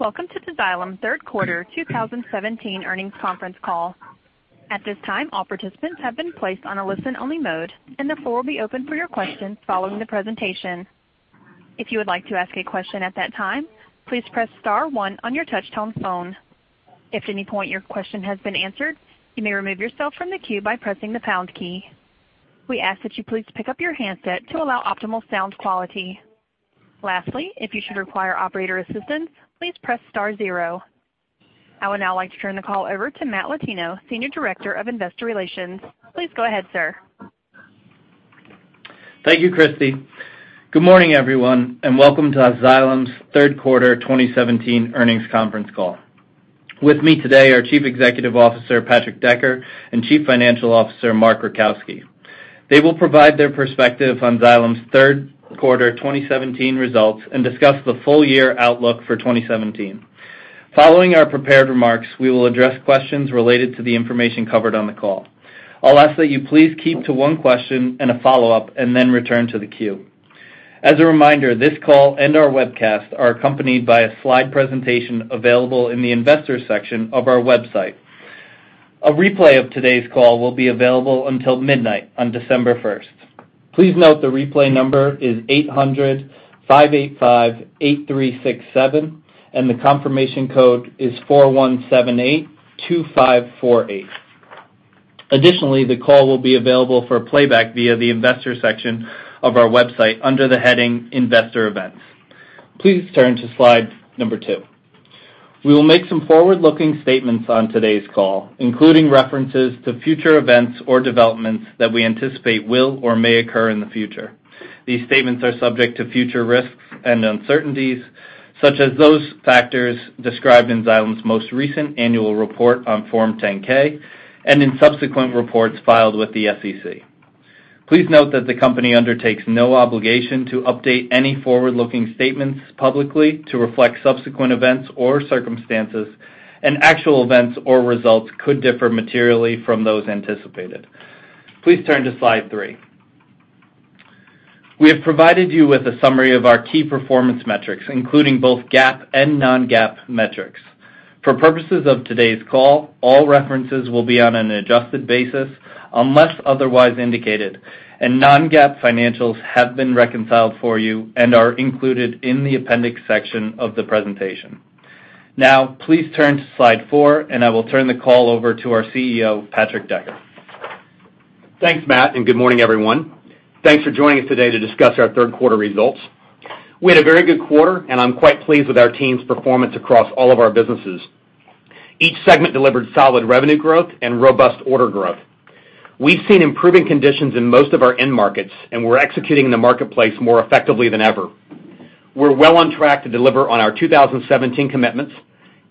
Welcome to the Xylem third quarter 2017 earnings conference call. At this time, all participants have been placed on a listen-only mode, the floor will be open for your questions following the presentation. If you would like to ask a question at that time, please press star one on your touch-tone phone. If at any point your question has been answered, you may remove yourself from the queue by pressing the pound key. We ask that you please pick up your handset to allow optimal sound quality. Lastly, if you should require operator assistance, please press star zero. I would now like to turn the call over to Matt Latino, Senior Director of Investor Relations. Please go ahead, sir. Thank you, Christy. Good morning, everyone, and welcome to Xylem's third quarter 2017 earnings conference call. With me today are Chief Executive Officer, Patrick Decker, and Chief Financial Officer, Mark Rajkowski. They will provide their perspective on Xylem's third quarter 2017 results and discuss the full year outlook for 2017. Following our prepared remarks, we will address questions related to the information covered on the call. I'll ask that you please keep to one question and a follow-up, then return to the queue. As a reminder, this call and our webcast are accompanied by a slide presentation available in the Investors section of our website. A replay of today's call will be available until midnight on December 1st. Please note the replay number is 800-585-8367, the confirmation code is 4178 2548. Additionally, the call will be available for playback via the Investors section of our website, under the heading Investor Events. Please turn to slide number two. We will make some forward-looking statements on today's call, including references to future events or developments that we anticipate will or may occur in the future. These statements are subject to future risks and uncertainties, such as those factors described in Xylem's most recent annual report on Form 10-K and in subsequent reports filed with the SEC. Please note that the company undertakes no obligation to update any forward-looking statements publicly to reflect subsequent events or circumstances, actual events or results could differ materially from those anticipated. Please turn to slide three. We have provided you with a summary of our key performance metrics, including both GAAP and non-GAAP metrics. For purposes of today's call, all references will be on an adjusted basis unless otherwise indicated, non-GAAP financials have been reconciled for you and are included in the appendix section of the presentation. Now, please turn to slide four, I will turn the call over to our CEO, Patrick Decker. Thanks, Matthew, good morning, everyone. Thanks for joining us today to discuss our third quarter results. We had a very good quarter, and I'm quite pleased with our team's performance across all of our businesses. Each segment delivered solid revenue growth and robust order growth. We've seen improving conditions in most of our end markets, and we're executing in the marketplace more effectively than ever. We're well on track to deliver on our 2017 commitments,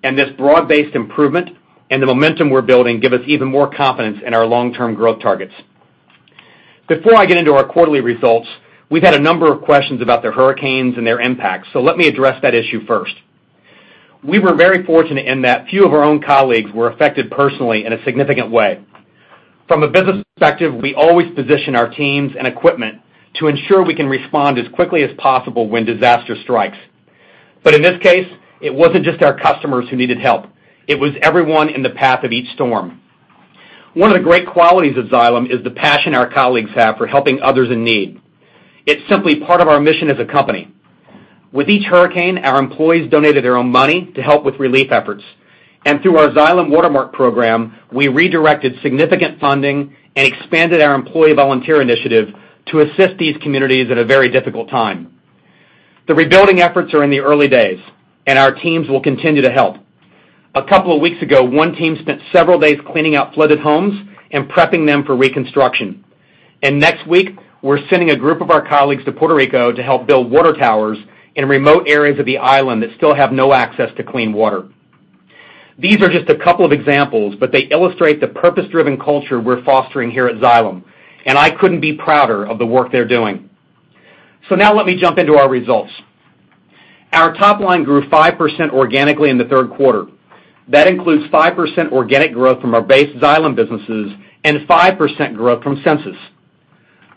and this broad-based improvement and the momentum we're building give us even more confidence in our long-term growth targets. Before I get into our quarterly results, we've had a number of questions about the hurricanes and their impact, so let me address that issue first. We were very fortunate in that few of our own colleagues were affected personally in a significant way. From a business perspective, we always position our teams and equipment to ensure we can respond as quickly as possible when disaster strikes. In this case, it wasn't just our customers who needed help. It was everyone in the path of each storm. One of the great qualities of Xylem is the passion our colleagues have for helping others in need. It's simply part of our mission as a company. With each hurricane, our employees donated their own money to help with relief efforts. Through our Xylem Watermark program, we redirected significant funding and expanded our employee volunteer initiative to assist these communities at a very difficult time. The rebuilding efforts are in the early days, and our teams will continue to help. A couple of weeks ago, one team spent several days cleaning out flooded homes and prepping them for reconstruction. Next week, we're sending a group of our colleagues to Puerto Rico to help build water towers in remote areas of the island that still have no access to clean water. These are just a couple of examples, but they illustrate the purpose-driven culture we're fostering here at Xylem, and I couldn't be prouder of the work they're doing. Now let me jump into our results. Our top line grew 5% organically in the third quarter. That includes 5% organic growth from our base Xylem businesses and 5% growth from Sensus.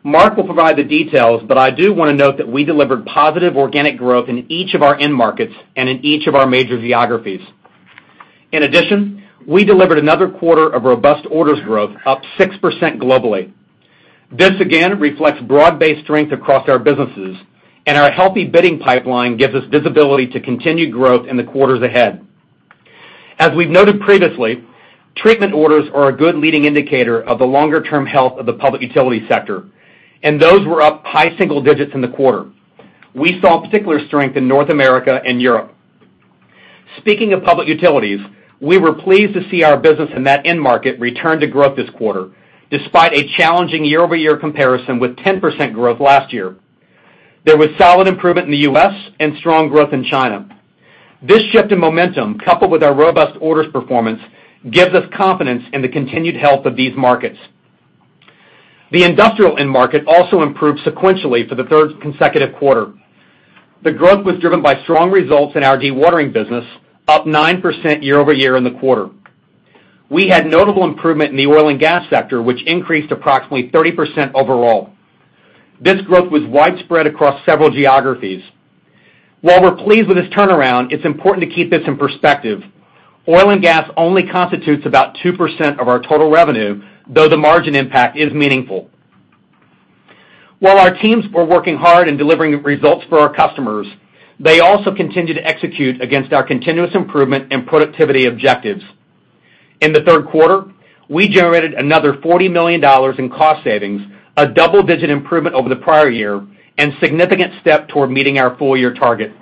Mark will provide the details, but I do want to note that we delivered positive organic growth in each of our end markets and in each of our major geographies. In addition, we delivered another quarter of robust orders growth, up 6% globally. This again reflects broad-based strength across our businesses, and our healthy bidding pipeline gives us visibility to continued growth in the quarters ahead. As we've noted previously, treatment orders are a good leading indicator of the longer-term health of the public utility sector, and those were up high single digits in the quarter. We saw particular strength in North America and Europe. Speaking of public utilities, we were pleased to see our business in that end market return to growth this quarter, despite a challenging year-over-year comparison with 10% growth last year. There was solid improvement in the U.S. and strong growth in China. This shift in momentum, coupled with our robust orders performance, gives us confidence in the continued health of these markets. The industrial end market also improved sequentially for the third consecutive quarter. The growth was driven by strong results in our dewatering business, up 9% year-over-year in the quarter. We had notable improvement in the oil and gas sector, which increased approximately 30% overall. This growth was widespread across several geographies. While we're pleased with this turnaround, it's important to keep this in perspective. Oil and gas only constitutes about 2% of our total revenue, though the margin impact is meaningful. While our teams were working hard and delivering results for our customers, they also continued to execute against our continuous improvement and productivity objectives. In the third quarter, we generated another $40 million in cost savings, a double-digit improvement over the prior year and significant step toward meeting our full-year target.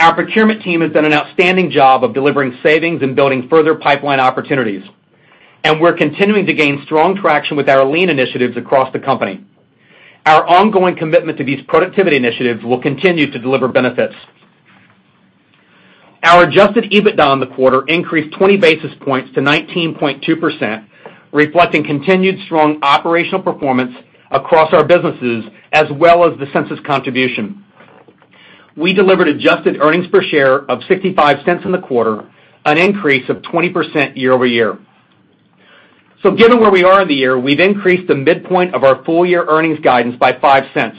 Our procurement team has done an outstanding job of delivering savings and building further pipeline opportunities. We're continuing to gain strong traction with our lean initiatives across the company. Our ongoing commitment to these productivity initiatives will continue to deliver benefits. Our adjusted EBITDA in the quarter increased 20 basis points to 19.2%, reflecting continued strong operational performance across our businesses as well as the Sensus contribution. We delivered adjusted earnings per share of $0.65 in the quarter, an increase of 20% year-over-year. Given where we are in the year, we've increased the midpoint of our full-year earnings guidance by $0.05.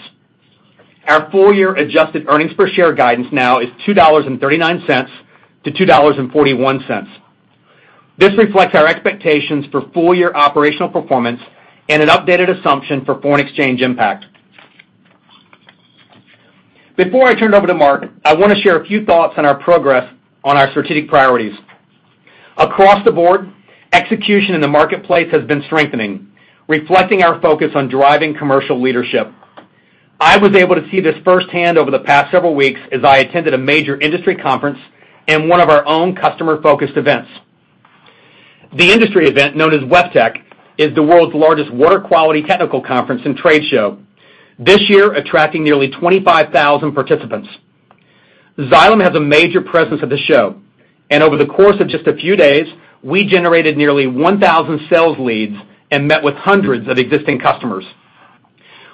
Our full-year adjusted earnings per share guidance now is $2.39-$2.41. This reflects our expectations for full-year operational performance and an updated assumption for foreign exchange impact. Before I turn it over to Mark, I want to share a few thoughts on our progress on our strategic priorities. Across the board, execution in the marketplace has been strengthening, reflecting our focus on driving commercial leadership. I was able to see this firsthand over the past several weeks as I attended a major industry conference and one of our own customer-focused events. The industry event, known as WEFTEC, is the world's largest water quality technical conference and trade show, this year attracting nearly 25,000 participants. Xylem has a major presence at the show, and over the course of just a few days, we generated nearly 1,000 sales leads and met with hundreds of existing customers.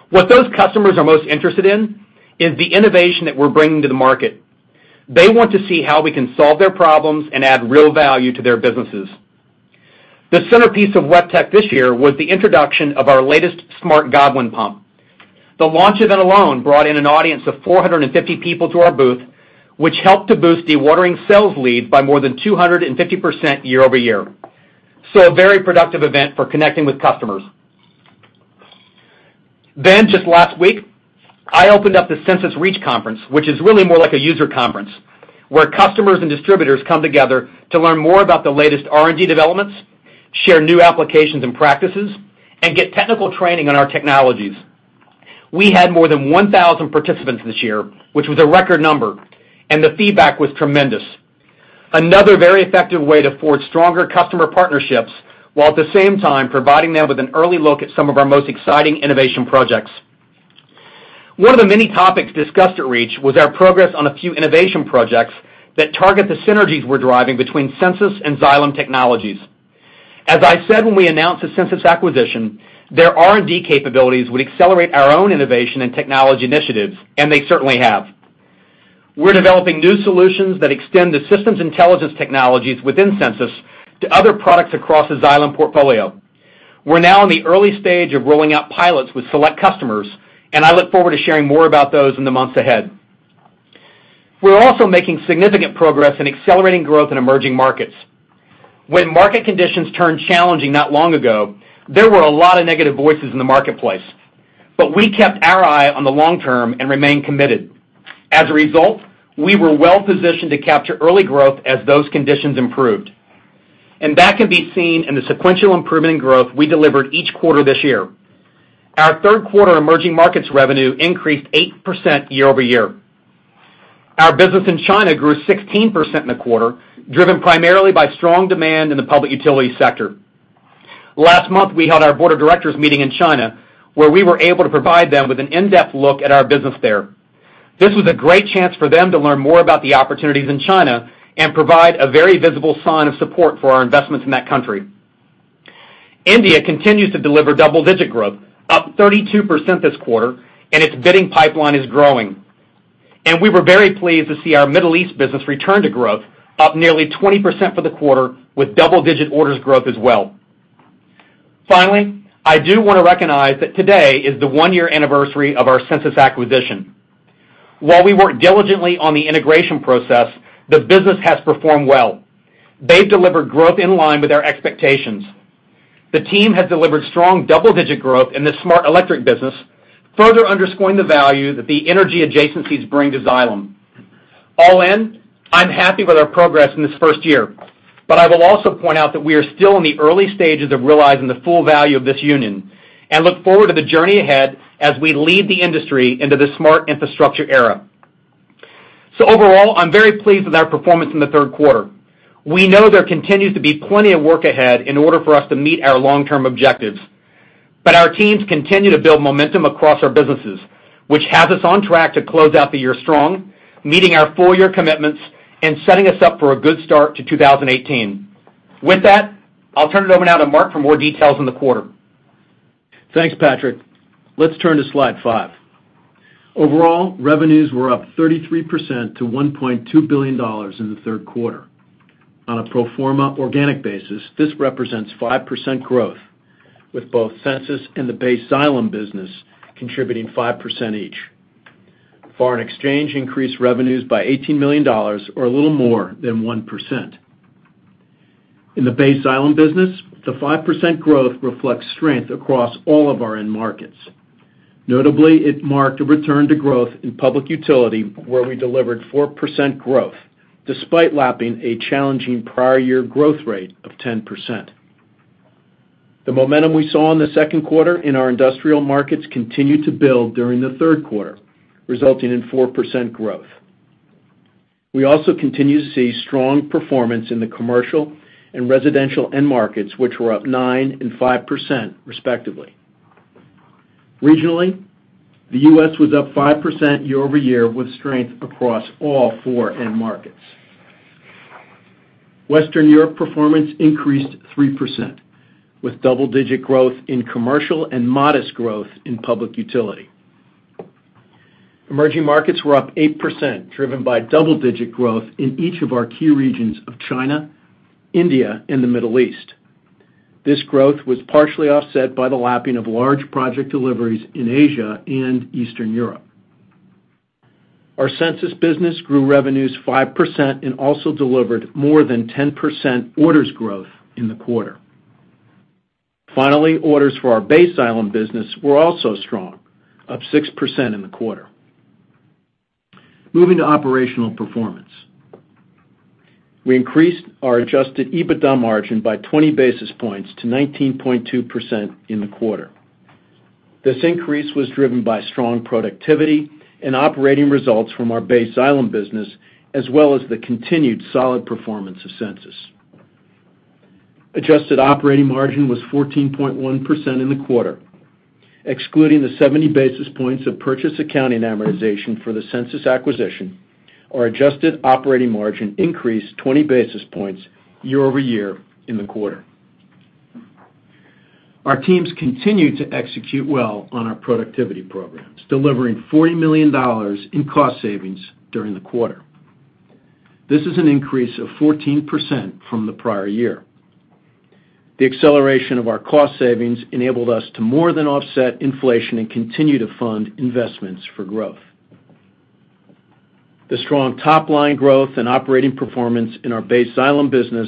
What those customers are most interested in is the innovation that we're bringing to the market. They want to see how we can solve their problems and add real value to their businesses. The centerpiece of WEFTEC this year was the introduction of our latest smart Godwin pump. The launch event alone brought in an audience of 450 people to our booth, which helped to boost the watering sales lead by more than 250% year-over-year. Just last week, I opened up the Sensus Reach Conference, which is really more like a user conference where customers and distributors come together to learn more about the latest R&D developments, share new applications and practices, and get technical training on our technologies. We had more than 1,000 participants this year, which was a record number, and the feedback was tremendous. Another very effective way to forge stronger customer partnerships while at the same time providing them with an early look at some of our most exciting innovation projects. One of the many topics discussed at REACH was our progress on a few innovation projects that target the synergies we're driving between Sensus and Xylem technologies. I said when we announced the Sensus acquisition, their R&D capabilities would accelerate our own innovation and technology initiatives, and they certainly have. We're developing new solutions that extend the systems intelligence technologies within Sensus to other products across the Xylem portfolio. I look forward to sharing more about those in the months ahead. We're also making significant progress in accelerating growth in emerging markets. When market conditions turned challenging not long ago, there were a lot of negative voices in the marketplace, we kept our eye on the long term and remained committed. As a result, we were well positioned to capture early growth as those conditions improved, that can be seen in the sequential improvement in growth we delivered each quarter this year. Our third quarter emerging markets revenue increased 8% year-over-year. Our business in China grew 16% in the quarter, driven primarily by strong demand in the public utility sector. Last month, we held our board of directors meeting in China, where we were able to provide them with an in-depth look at our business there. This was a great chance for them to learn more about the opportunities in China and provide a very visible sign of support for our investments in that country. India continues to deliver double-digit growth, up 32% this quarter, its bidding pipeline is growing. We were very pleased to see our Middle East business return to growth, up nearly 20% for the quarter, with double-digit orders growth as well. Finally, I do want to recognize that today is the one-year anniversary of our Sensus acquisition. While we work diligently on the integration process, the business has performed well. They've delivered growth in line with our expectations. The team has delivered strong double-digit growth in the smart electric business, further underscoring the value that the energy adjacencies bring to Xylem. All in, I'm happy with our progress in this first year, I will also point out that we are still in the early stages of realizing the full value of this union and look forward to the journey ahead as we lead the industry into the smart infrastructure era. Overall, I'm very pleased with our performance in the third quarter. We know there continues to be plenty of work ahead in order for us to meet our long-term objectives. Our teams continue to build momentum across our businesses, which has us on track to close out the year strong, meeting our full-year commitments and setting us up for a good start to 2018. With that, I'll turn it over now to Mark for more details on the quarter. Thanks, Patrick. Let's turn to slide five. Overall, revenues were up 33% to $1.2 billion in the third quarter. On a pro forma organic basis, this represents 5% growth, with both Sensus and the base Xylem business contributing 5% each. Foreign exchange increased revenues by $18 million or a little more than 1%. In the base Xylem business, the 5% growth reflects strength across all of our end markets. Notably, it marked a return to growth in public utility, where we delivered 4% growth despite lapping a challenging prior year growth rate of 10%. The momentum we saw in the second quarter in our industrial markets continued to build during the third quarter, resulting in 4% growth. We also continue to see strong performance in the commercial and residential end markets, which were up 9% and 5%, respectively. Regionally, the U.S. was up 5% year-over-year with strength across all four end markets. Western Europe performance increased 3%, with double-digit growth in commercial and modest growth in public utility. Emerging markets were up 8%, driven by double-digit growth in each of our key regions of China, India, and the Middle East. This growth was partially offset by the lapping of large project deliveries in Asia and Eastern Europe. Our Sensus business grew revenues 5% and also delivered more than 10% orders growth in the quarter. Orders for our base Xylem business were also strong, up 6% in the quarter. Moving to operational performance. We increased our adjusted EBITDA margin by 20 basis points to 19.2% in the quarter. This increase was driven by strong productivity and operating results from our base Xylem business, as well as the continued solid performance of Sensus. Adjusted operating margin was 14.1% in the quarter. Excluding the 70 basis points of purchase accounting amortization for the Sensus acquisition, our adjusted operating margin increased 20 basis points year-over-year in the quarter. Our teams continued to execute well on our productivity programs, delivering $40 million in cost savings during the quarter. This is an increase of 14% from the prior year. The acceleration of our cost savings enabled us to more than offset inflation and continue to fund investments for growth. The strong top-line growth and operating performance in our base Xylem business,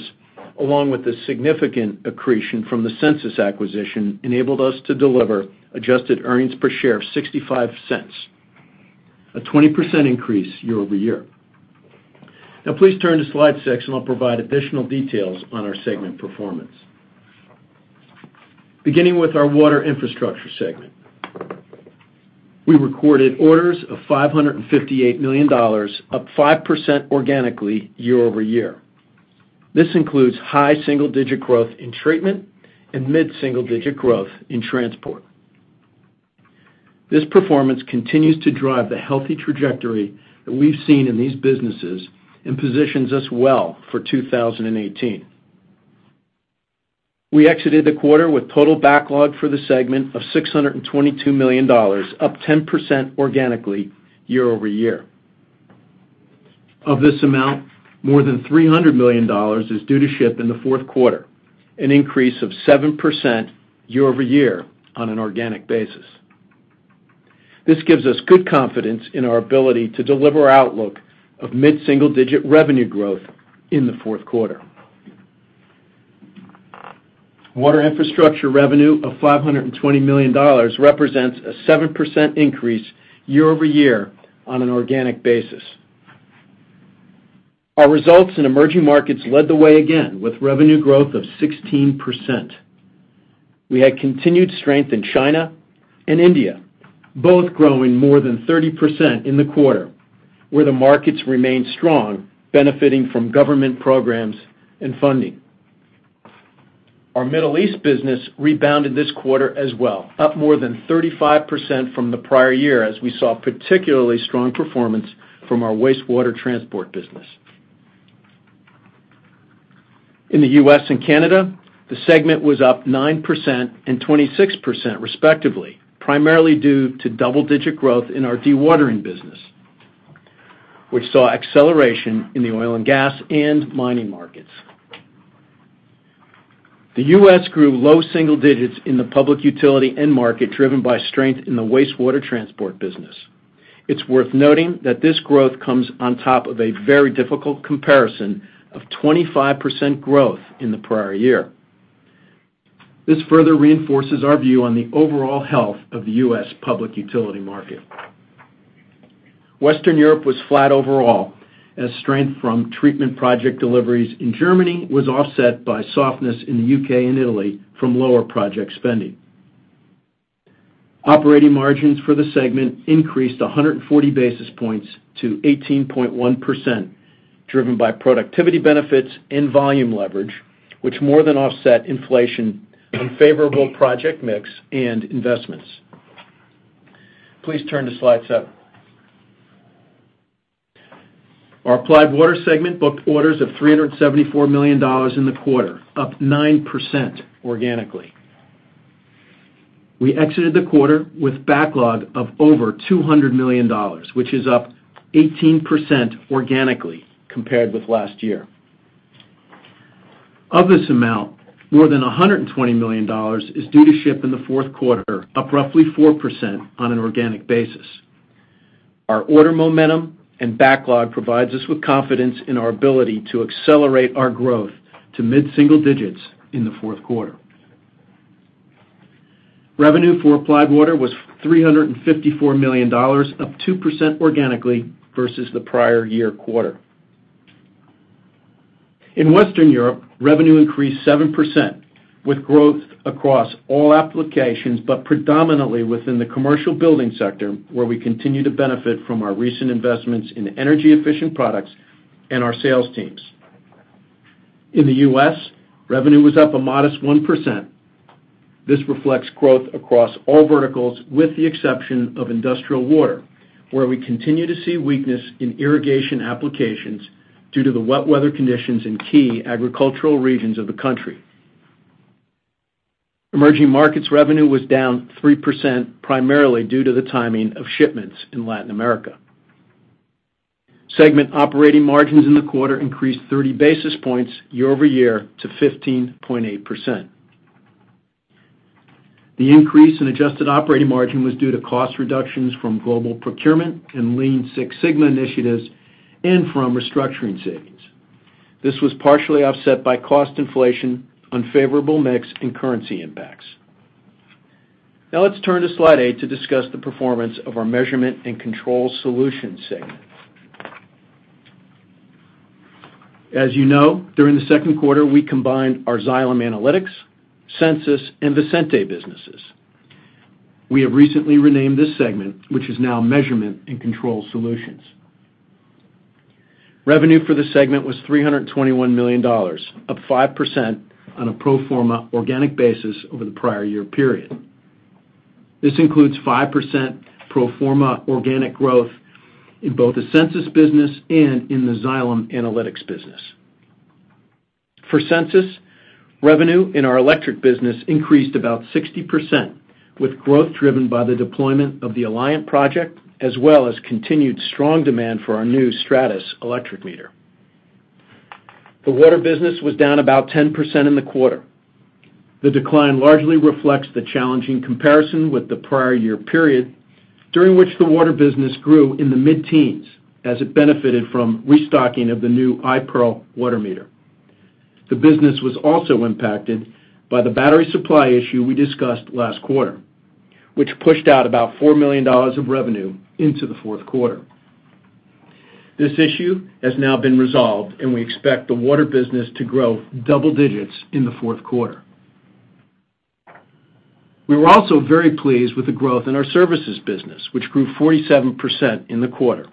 along with the significant accretion from the Sensus acquisition, enabled us to deliver adjusted earnings per share of $0.65, a 20% increase year-over-year. Now, please turn to slide six, and I'll provide additional details on our segment performance. Beginning with our Water Infrastructure segment. We recorded orders of $558 million, up 5% organically year-over-year. This includes high single-digit growth in treatment and mid-single-digit growth in transport. This performance continues to drive the healthy trajectory that we've seen in these businesses and positions us well for 2018. We exited the quarter with total backlog for the segment of $622 million, up 10% organically year-over-year. Of this amount, more than $300 million is due to ship in the fourth quarter, an increase of 7% year-over-year on an organic basis. This gives us good confidence in our ability to deliver our outlook of mid-single-digit revenue growth in the fourth quarter. Water Infrastructure revenue of $520 million represents a 7% increase year-over-year on an organic basis. Our results in emerging markets led the way again with revenue growth of 16%. We had continued strength in China and India, both growing more than 30% in the quarter, where the markets remained strong, benefiting from government programs and funding. Our Middle East business rebounded this quarter as well, up more than 35% from the prior year as we saw particularly strong performance from our wastewater transport business. In the U.S. and Canada, the segment was up 9% and 26%, respectively, primarily due to double-digit growth in our dewatering business, which saw acceleration in the oil and gas and mining markets. The U.S. grew low single digits in the public utility end market, driven by strength in the wastewater transport business. It's worth noting that this growth comes on top of a very difficult comparison of 25% growth in the prior year. This further reinforces our view on the overall health of the U.S. public utility market. Western Europe was flat overall, as strength from treatment project deliveries in Germany was offset by softness in the U.K. and Italy from lower project spending. Operating margins for the segment increased 140 basis points to 18.1%, driven by productivity benefits and volume leverage, which more than offset inflation, unfavorable project mix, and investments. Please turn to slide seven. Our Applied Water segment booked orders of $374 million in the quarter, up 9% organically. We exited the quarter with backlog of over $200 million, which is up 18% organically compared with last year. Of this amount, more than $120 million is due to ship in the fourth quarter, up roughly 4% on an organic basis. Our order momentum and backlog provides us with confidence in our ability to accelerate our growth to mid-single digits in the fourth quarter. Revenue for Applied Water was $354 million, up 2% organically versus the prior year quarter. In Western Europe, revenue increased 7%, with growth across all applications, but predominantly within the commercial building sector, where we continue to benefit from our recent investments in energy-efficient products and our sales teams. In the U.S., revenue was up a modest 1%. This reflects growth across all verticals, with the exception of industrial water, where we continue to see weakness in irrigation applications due to the wet weather conditions in key agricultural regions of the country. Emerging markets revenue was down 3%, primarily due to the timing of shipments in Latin America. Segment operating margins in the quarter increased 30 basis points year-over-year to 15.8%. The increase in adjusted operating margin was due to cost reductions from global procurement and Lean Six Sigma initiatives and from restructuring savings. This was partially offset by cost inflation, unfavorable mix, and currency impacts. Now let's turn to slide eight to discuss the performance of our Measurement and Control Solutions segment. As you know, during the second quarter, we combined our Xylem Analytics, Sensus, and Visenti businesses. We have recently renamed this segment, which is now Measurement and Control Solutions. Revenue for the segment was $321 million, up 5% on a pro forma organic basis over the prior year period. This includes 5% pro forma organic growth in both the Sensus business and in the Xylem Analytics business. For Sensus, revenue in our electric business increased about 60%, with growth driven by the deployment of the Alliant project, as well as continued strong demand for our new Stratus electric meter. The water business was down about 10% in the quarter. The decline largely reflects the challenging comparison with the prior year period, during which the water business grew in the mid-teens as it benefited from restocking of the new iPERL water meter. The business was also impacted by the battery supply issue we discussed last quarter, which pushed out about $4 million of revenue into the fourth quarter. This issue has now been resolved, and we expect the water business to grow double digits in the fourth quarter. We were also very pleased with the growth in our services business, which grew 47% in the quarter,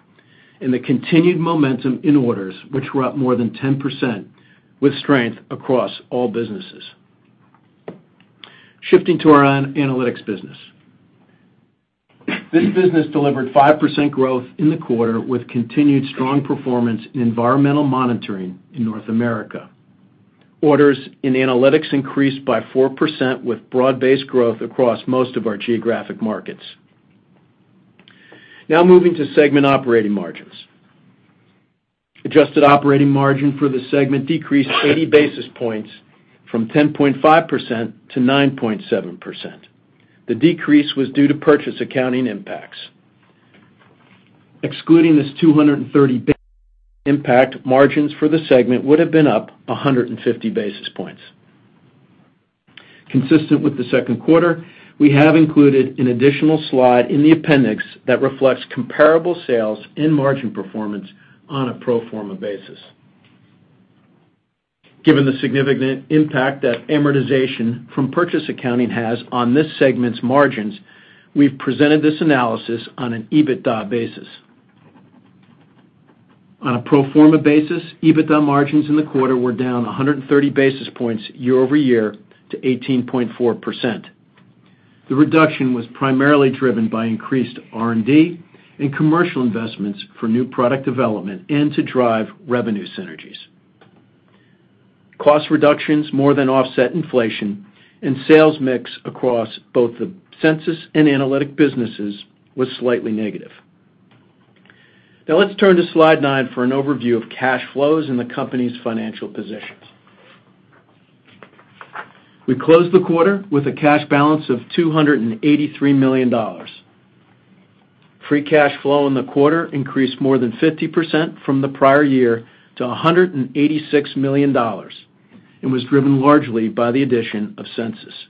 and the continued momentum in orders, which were up more than 10%, with strength across all businesses. Shifting to our analytic business. This business delivered 5% growth in the quarter with continued strong performance in environmental monitoring in North America. Orders in analytics increased by 4%, with broad-based growth across most of our geographic markets. Moving to segment operating margins. Adjusted operating margin for the segment decreased 80 basis points, from 10.5% to 9.7%. The decrease was due to purchase accounting impacts. Excluding this 230 basis points impact, margins for the segment would've been up 150 basis points. Consistent with the second quarter, we have included an additional slide in the appendix that reflects comparable sales and margin performance on a pro forma basis. Given the significant impact that amortization from purchase accounting has on this segment's margins, we've presented this analysis on an EBITDA basis. On a pro forma basis, EBITDA margins in the quarter were down 130 basis points year-over-year to 18.4%. The reduction was primarily driven by increased R&D and commercial investments for new product development and to drive revenue synergies. Cost reductions more than offset inflation and sales mix across both the Sensus and analytic businesses was slightly negative. Let's turn to slide nine for an overview of cash flows and the company's financial positions. We closed the quarter with a cash balance of $283 million. Free cash flow in the quarter increased more than 50% from the prior year to $186 million and was driven largely by the addition of Sensus.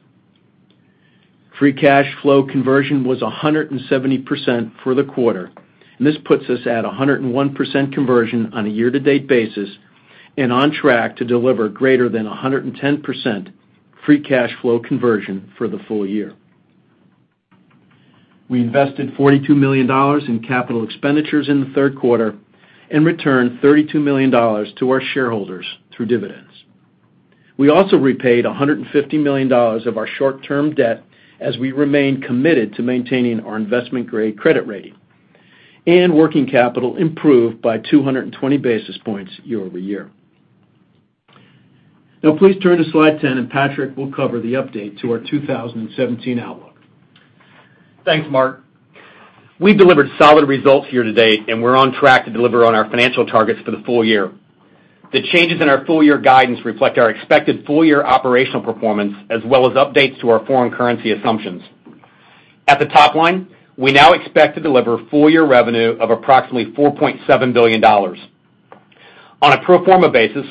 Free cash flow conversion was 170% for the quarter. This puts us at 101% conversion on a year-to-date basis and on track to deliver greater than 110% free cash flow conversion for the full year. We invested $42 million in capital expenditures in the third quarter and returned $32 million to our shareholders through dividends. We also repaid $150 million of our short-term debt as we remain committed to maintaining our investment-grade credit rating, and working capital improved by 220 basis points year-over-year. Please turn to slide 10, and Patrick will cover the update to our 2017 outlook. Thanks, Mark. We've delivered solid results here today. We're on track to deliver on our financial targets for the full year. The changes in our full-year guidance reflect our expected full-year operational performance, as well as updates to our foreign currency assumptions. At the top line, we now expect to deliver full-year revenue of approximately $4.7 billion. On a pro forma basis,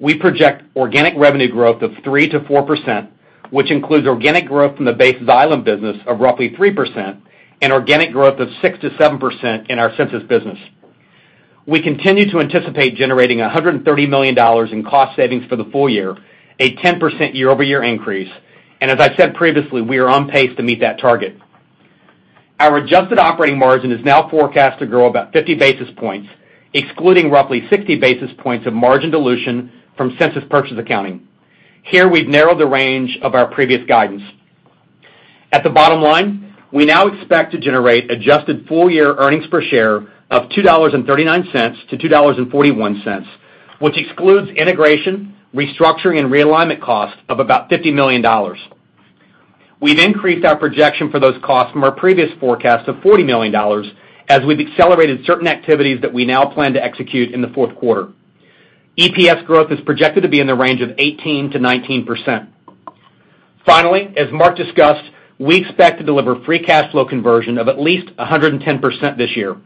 we project organic revenue growth of 3%-4%, which includes organic growth from the base Xylem business of roughly 3% and organic growth of 6%-7% in our Sensus business. We continue to anticipate generating $130 million in cost savings for the full year, a 10% year-over-year increase. As I said previously, we are on pace to meet that target. Our adjusted operating margin is now forecast to grow about 50 basis points, excluding roughly 60 basis points of margin dilution from Sensus purchase accounting. Here, we've narrowed the range of our previous guidance. At the bottom line, we now expect to generate adjusted full-year earnings per share of $2.39-$2.41, which excludes integration, restructuring, and realignment costs of about $50 million. We've increased our projection for those costs from our previous forecast of $40 million, as we've accelerated certain activities that we now plan to execute in the fourth quarter. EPS growth is projected to be in the range of 18%-19%. Finally, as Mark discussed, we expect to deliver free cash flow conversion of at least 110% this year.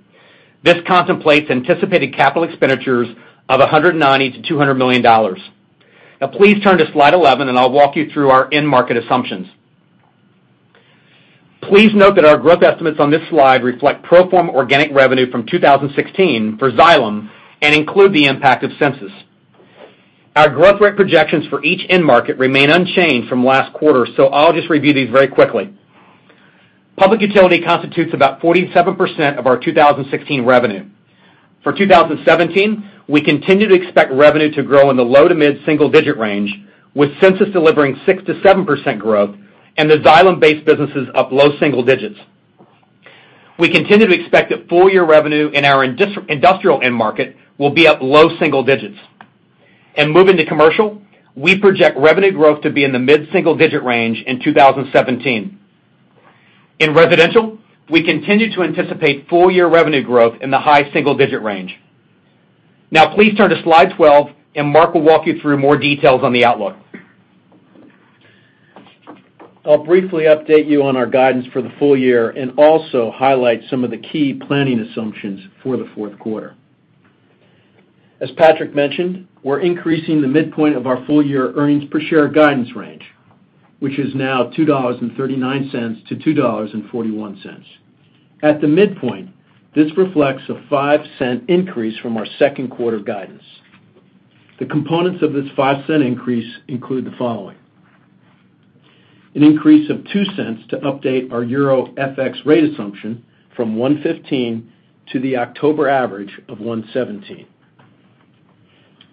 This contemplates anticipated capital expenditures of $190 million-$200 million. Please turn to slide 11, and I'll walk you through our end market assumptions. Please note that our growth estimates on this slide reflect pro forma organic revenue from 2016 for Xylem and include the impact of Sensus. Our growth rate projections for each end market remain unchanged from last quarter. I'll just review these very quickly. Public utility constitutes about 47% of our 2016 revenue. For 2017, we continue to expect revenue to grow in the low to mid-single digit range, with Sensus delivering 6%-7% growth and the Xylem base businesses up low single digits. We continue to expect that full-year revenue in our industrial end market will be up low single digits. Moving to commercial, we project revenue growth to be in the mid-single digit range in 2017. In residential, we continue to anticipate full-year revenue growth in the high single-digit range. Please turn to slide 12, and Mark will walk you through more details on the outlook. I'll briefly update you on our guidance for the full year and also highlight some of the key planning assumptions for the fourth quarter. As Patrick mentioned, we're increasing the midpoint of our full-year earnings per share guidance range, which is now $2.39 to $2.41. At the midpoint, this reflects a $0.05 increase from our second quarter guidance. The components of this $0.05 increase include the following: an increase of $0.02 to update our EUR FX rate assumption from 115 to the October average of 117.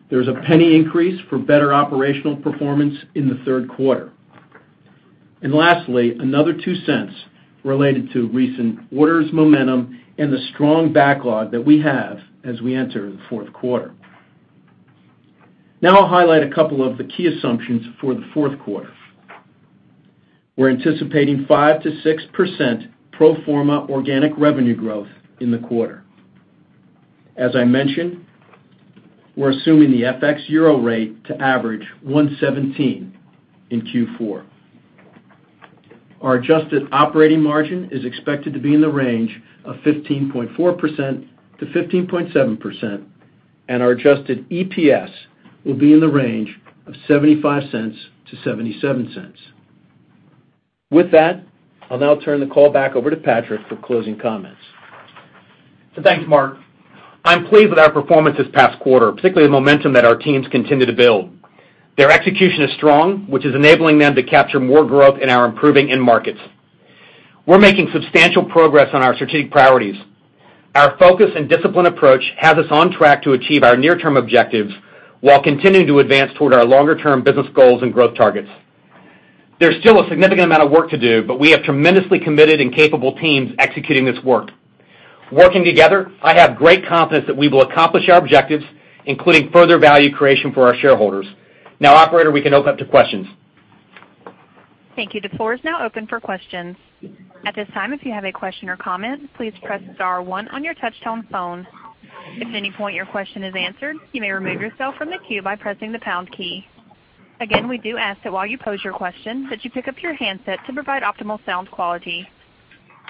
There's a $0.01 increase for better operational performance in the third quarter. Lastly, another $0.02 related to recent orders momentum and the strong backlog that we have as we enter the fourth quarter. I'll highlight a couple of the key assumptions for the fourth quarter. We're anticipating 5%-6% pro forma organic revenue growth in the quarter. As I mentioned, we're assuming the FX EUR rate to average 117 in Q4. Our adjusted operating margin is expected to be in the range of 15.4%-15.7%, and our adjusted EPS will be in the range of $0.75-$0.77. With that, I'll now turn the call back over to Patrick for closing comments. Thanks, Mark. I'm pleased with our performance this past quarter, particularly the momentum that our teams continue to build. Their execution is strong, which is enabling them to capture more growth in our improving end markets. We're making substantial progress on our strategic priorities. Our focus and disciplined approach has us on track to achieve our near-term objectives while continuing to advance toward our longer-term business goals and growth targets. There's still a significant amount of work to do, but we have tremendously committed and capable teams executing this work. Working together, I have great confidence that we will accomplish our objectives, including further value creation for our shareholders. Operator, we can open up to questions. Thank you. The floor is now open for questions. At this time, if you have a question or comment, please press star one on your touch-tone phone. If at any point your question is answered, you may remove yourself from the queue by pressing the pound key. Again, we do ask that while you pose your question, that you pick up your handset to provide optimal sound quality.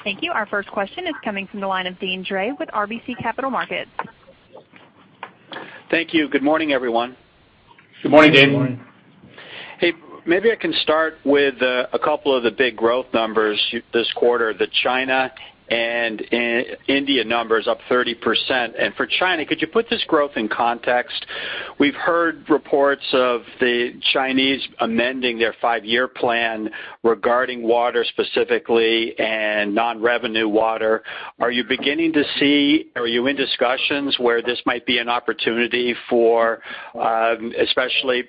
Thank you. Our first question is coming from the line of Deane Dray with RBC Capital Markets. Thank you. Good morning, everyone. Good morning, Deane. Good morning. Hey, maybe I can start with a couple of the big growth numbers this quarter, the China and India numbers, up 30%. For China, could you put this growth in context? We've heard reports of the Chinese amending their five-year plan regarding water specifically and non-revenue water. Are you beginning to see, are you in discussions where this might be an opportunity for, especially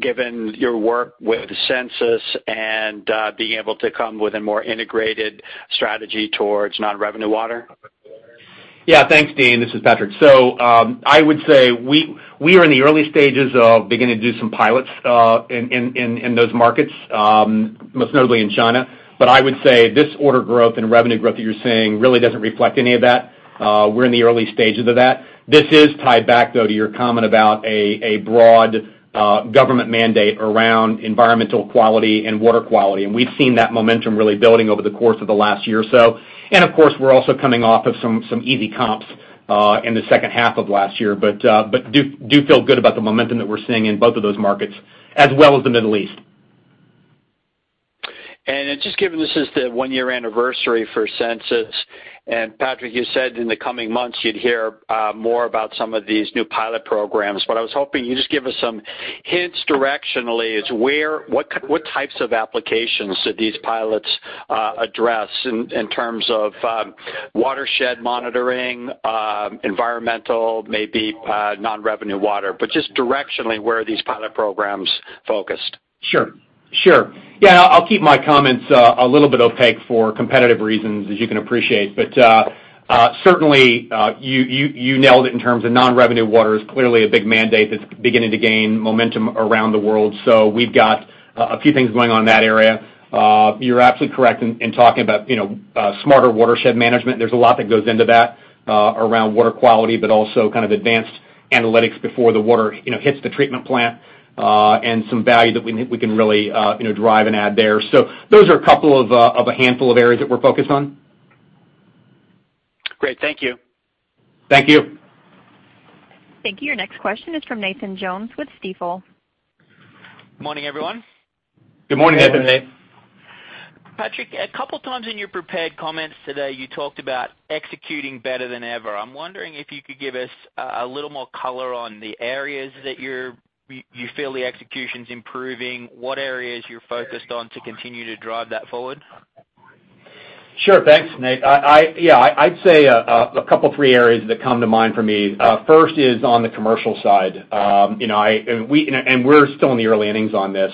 given your work with Sensus and being able to come with a more integrated strategy towards non-revenue water? Thanks, Deane. This is Patrick. I would say we are in the early stages of beginning to do some pilots in those markets, most notably in China. I would say this order growth and revenue growth that you're seeing really doesn't reflect any of that. We're in the early stages of that. This is tied back, though, to your comment about a broad government mandate around environmental quality and water quality. We've seen that momentum really building over the course of the last year or so. Of course, we're also coming off of some easy comps in the second half of last year. Do feel good about the momentum that we're seeing in both of those markets, as well as the Middle East. Just given this is the one-year anniversary for Sensus, and Patrick, you said in the coming months you'd hear more about some of these new pilot programs. I was hoping you'd just give us some hints directionally as what types of applications do these pilots address in terms of watershed monitoring, environmental, maybe non-revenue water. Just directionally, where are these pilot programs focused? Sure. I'll keep my comments a little bit opaque for competitive reasons, as you can appreciate. Certainly, you nailed it in terms of non-revenue water is clearly a big mandate that's beginning to gain momentum around the world. We've got a few things going on in that area. You're absolutely correct in talking about smarter watershed management. There's a lot that goes into that around water quality, but also kind of advanced analytics before the water hits the treatment plant, and some value that we think we can really drive and add there. Those are a couple of a handful of areas that we're focused on. Great. Thank you. Thank you. Thank you. Your next question is from Nathan Jones with Stifel. Morning, everyone. Good morning, Nathan. Patrick, a couple times in your prepared comments today, you talked about executing better than ever. I'm wondering if you could give us a little more color on the areas that you feel the execution's improving, what areas you're focused on to continue to drive that forward. Sure. Thanks, Nate. Yeah, I'd say a couple, three areas that come to mind for me. First is on the commercial side. We're still in the early innings on this.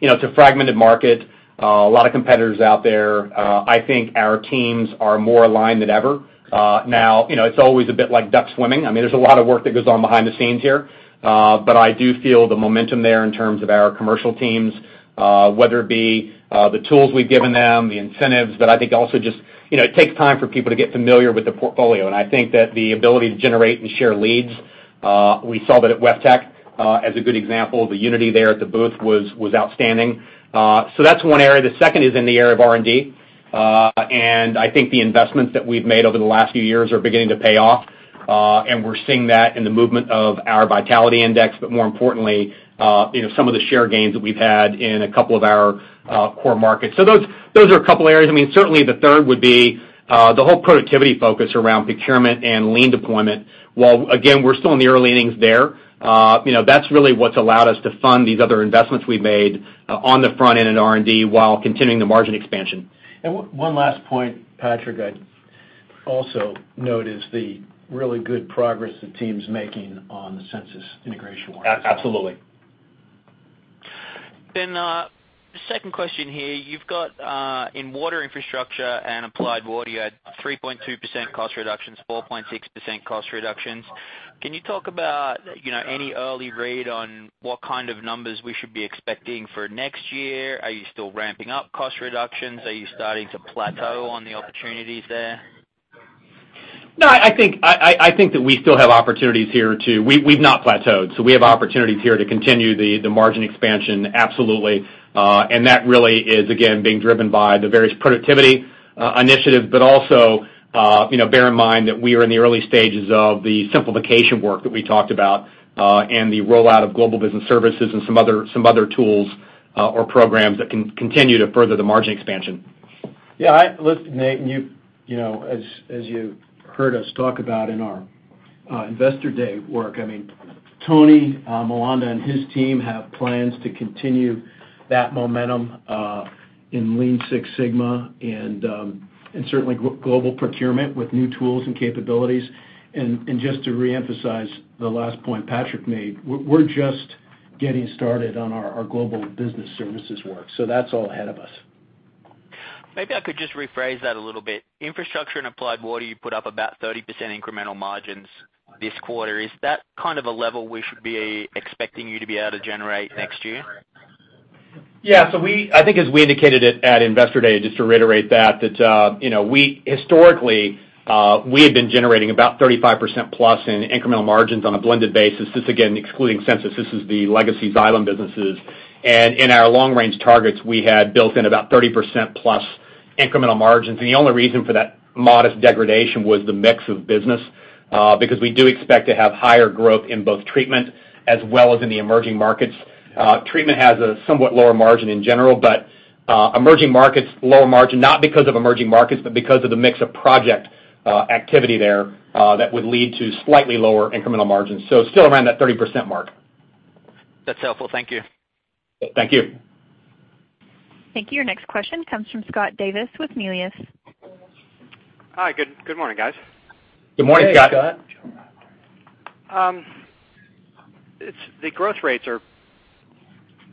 It's a fragmented market, a lot of competitors out there. I think our teams are more aligned than ever. Now, it's always a bit like duck swimming. I mean, there's a lot of work that goes on behind the scenes here. I do feel the momentum there in terms of our commercial teams, whether it be the tools we've given them, the incentives, but I think also just, it takes time for people to get familiar with the portfolio. I think that the ability to generate and share leads, we saw that at WEFTEC as a good example. The unity there at the booth was outstanding. That's one area. The second is in the area of R&D. I think the investments that we've made over the last few years are beginning to pay off. We're seeing that in the movement of our Vitality Index, but more importantly, some of the share gains that we've had in a couple of our core markets. Those are a couple areas. Certainly, the third would be the whole productivity focus around procurement and lean deployment. While, again, we're still in the early innings there, that's really what's allowed us to fund these other investments we've made on the front end in R&D while continuing the margin expansion. One last point, Patrick, I'd also note is the really good progress the team's making on the Sensus integration work. Absolutely. The second question here. You've got in Water Infrastructure and Applied Water, you had 3.2% cost reductions, 4.6% cost reductions. Can you talk about any early read on what kind of numbers we should be expecting for next year? Are you still ramping up cost reductions? Are you starting to plateau on the opportunities there? No, I think that we still have opportunities here, too. We've not plateaued, so we have opportunities here to continue the margin expansion. Absolutely. That really is, again, being driven by the various productivity initiatives, but also bear in mind that we are in the early stages of the simplification work that we talked about and the rollout of Global Business Services and some other tools or programs that can continue to further the margin expansion. Yeah, listen, Nate, as you heard us talk about in our investor day work, Tony Miranda and his team have plans to continue that momentum in Lean Six Sigma and certainly global procurement with new tools and capabilities. Just to reemphasize the last point Patrick made, we're just getting started on our Global Business Services work. That's all ahead of us. Maybe I could just rephrase that a little bit. Water Infrastructure and Applied Water, you put up about 30% incremental margins this quarter. Is that kind of a level we should be expecting you to be able to generate next year? Yeah. I think as we indicated at Investor Day, just to reiterate that, historically, we had been generating about 35% plus in incremental margins on a blended basis. This, again, excluding Sensus. This is the legacy Xylem businesses. In our long-range targets, we had built in about 30% plus incremental margins. The only reason for that modest degradation was the mix of business, because we do expect to have higher growth in both treatment as well as in the emerging markets. Treatment has a somewhat lower margin in general, but Emerging markets, lower margin, not because of emerging markets, but because of the mix of project activity there that would lead to slightly lower incremental margins. So still around that 30% mark. That's helpful. Thank you. Thank you. Thank you. Your next question comes from Scott Davis with Melius. Hi, good morning, guys. Good morning, Scott. Hey, Scott. The growth rates are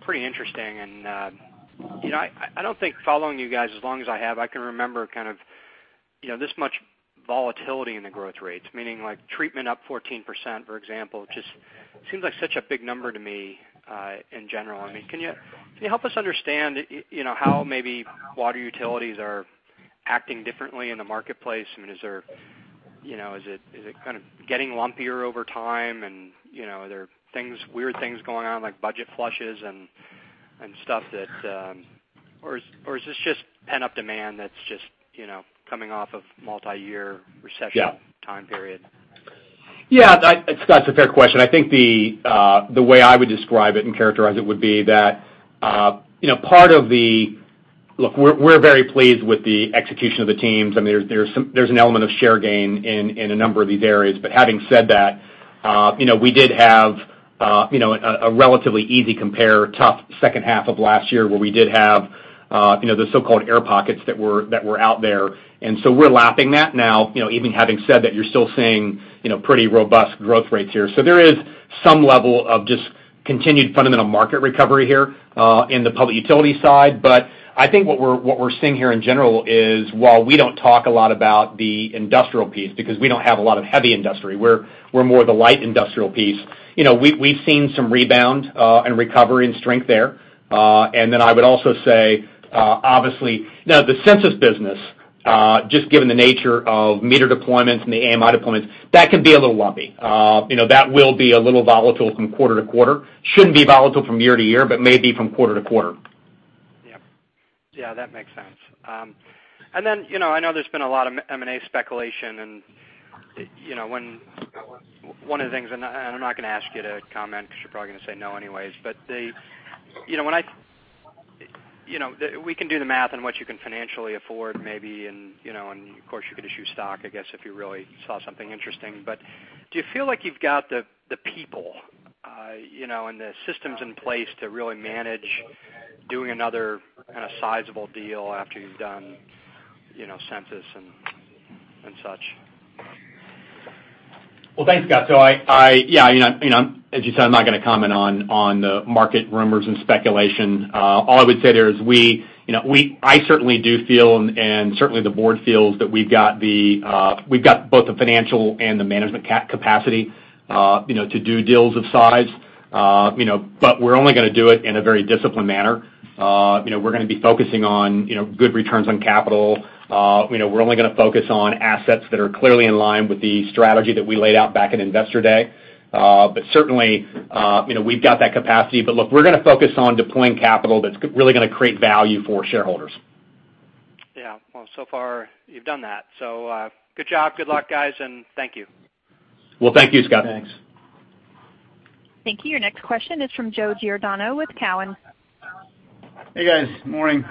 pretty interesting. I don't think following you guys as long as I have, I can remember this much volatility in the growth rates, meaning like treatment up 14%, for example, just seems like such a big number to me in general. Can you help us understand how maybe water utilities are acting differently in the marketplace? Is it getting lumpier over time and are there weird things going on, like budget flushes and stuff, or is this just pent-up demand that's just coming off of multi-year? Yeah time period? Yeah, Scott, it's a fair question. I think the way I would describe it and characterize it would be that Look, we're very pleased with the execution of the teams. There's an element of share gain in a number of these areas. Having said that, we did have a relatively easy compare, tough second half of last year, where we did have the so-called air pockets that were out there. We're lapping that now. Even having said that, you're still seeing pretty robust growth rates here. There is some level of just continued fundamental market recovery here in the public utility side. I think what we're seeing here in general is, while we don't talk a lot about the industrial piece, because we don't have a lot of heavy industry, we're more the light industrial piece. We've seen some rebound and recovery and strength there. I would also say, obviously, now the Sensus business, just given the nature of meter deployments and the AMI deployments, that can be a little lumpy. That will be a little volatile from quarter to quarter. Shouldn't be volatile from year to year, but may be from quarter to quarter. Yeah. That makes sense. I know there's been a lot of M&A speculation, and one of the things, and I'm not going to ask you to comment because you're probably going to say no anyways. We can do the math on what you can financially afford, maybe, and of course, you could issue stock, I guess, if you really saw something interesting. Do you feel like you've got the people and the systems in place to really manage doing another kind of sizable deal after you've done Sensus and such? Well, thanks, Scott. As you said, I'm not going to comment on the market rumors and speculation. All I would say there is I certainly do feel, and certainly the board feels, that we've got both the financial and the management capacity to do deals of size. We're only going to do it in a very disciplined manner. We're going to be focusing on good returns on capital. We're only going to focus on assets that are clearly in line with the strategy that we laid out back at Investor Day. Certainly, we've got that capacity. Look, we're going to focus on deploying capital that's really going to create value for shareholders. Yeah. Well, so far you've done that. Good job. Good luck, guys, and thank you. Well, thank you, Scott. Thanks. Thank you. Your next question is from Joseph Giordano with Cowen. Hey, guys. Morning.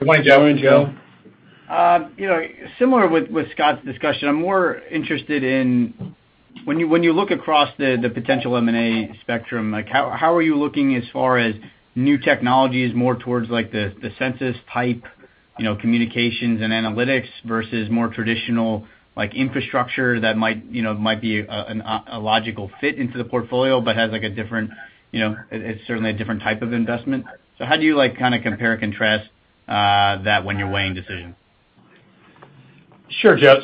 Good morning, Joe. Morning, Joe. Similar with Scott's discussion, I'm more interested in when you look across the potential M&A spectrum, how are you looking as far as new technologies more towards like the Sensus type communications and analytics versus more traditional infrastructure that might be a logical fit into the portfolio, but it's certainly a different type of investment. How do you compare and contrast that when you're weighing decisions? Sure, Joe.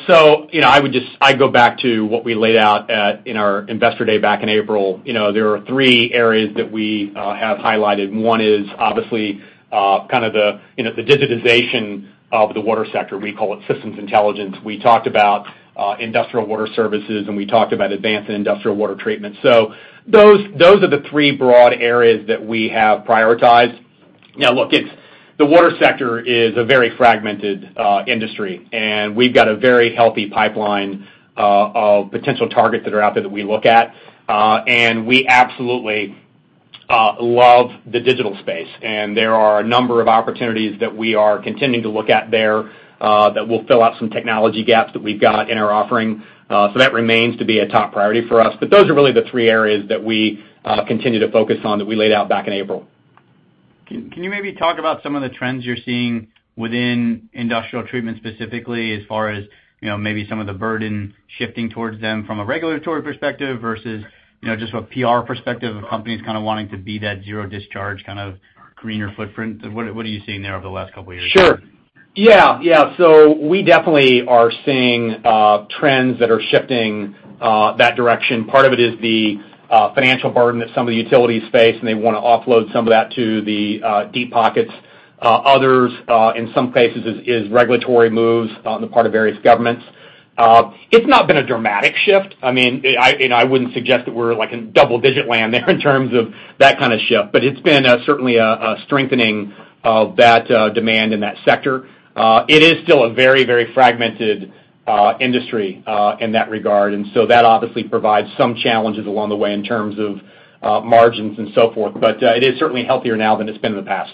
I go back to what we laid out in our Investor Day back in April. There are three areas that we have highlighted, and one is obviously the digitization of the water sector. We call it systems intelligence. We talked about industrial water services, and we talked about advanced and industrial water treatment. Those are the three broad areas that we have prioritized. Look, the water sector is a very fragmented industry, and we've got a very healthy pipeline of potential targets that are out there that we look at. We absolutely love the digital space, and there are a number of opportunities that we are continuing to look at there that will fill out some technology gaps that we've got in our offering. That remains to be a top priority for us. Those are really the three areas that we continue to focus on that we laid out back in April. Can you maybe talk about some of the trends you're seeing within industrial treatment specifically as far as maybe some of the burden shifting towards them from a regulatory perspective versus just a PR perspective of companies kind of wanting to be that zero discharge, kind of greener footprint? What are you seeing there over the last couple of years? Sure. Yeah. We definitely are seeing trends that are shifting that direction. Part of it is the financial burden that some of the utilities face, and they want to offload some of that to the deep pockets. Others, in some cases, is regulatory moves on the part of various governments. It's not been a dramatic shift. I wouldn't suggest that we're in double-digit land there in terms of that kind of shift. It's been certainly a strengthening of that demand in that sector. It is still a very, very fragmented industry in that regard, and so that obviously provides some challenges along the way in terms of margins and so forth. It is certainly healthier now than it's been in the past.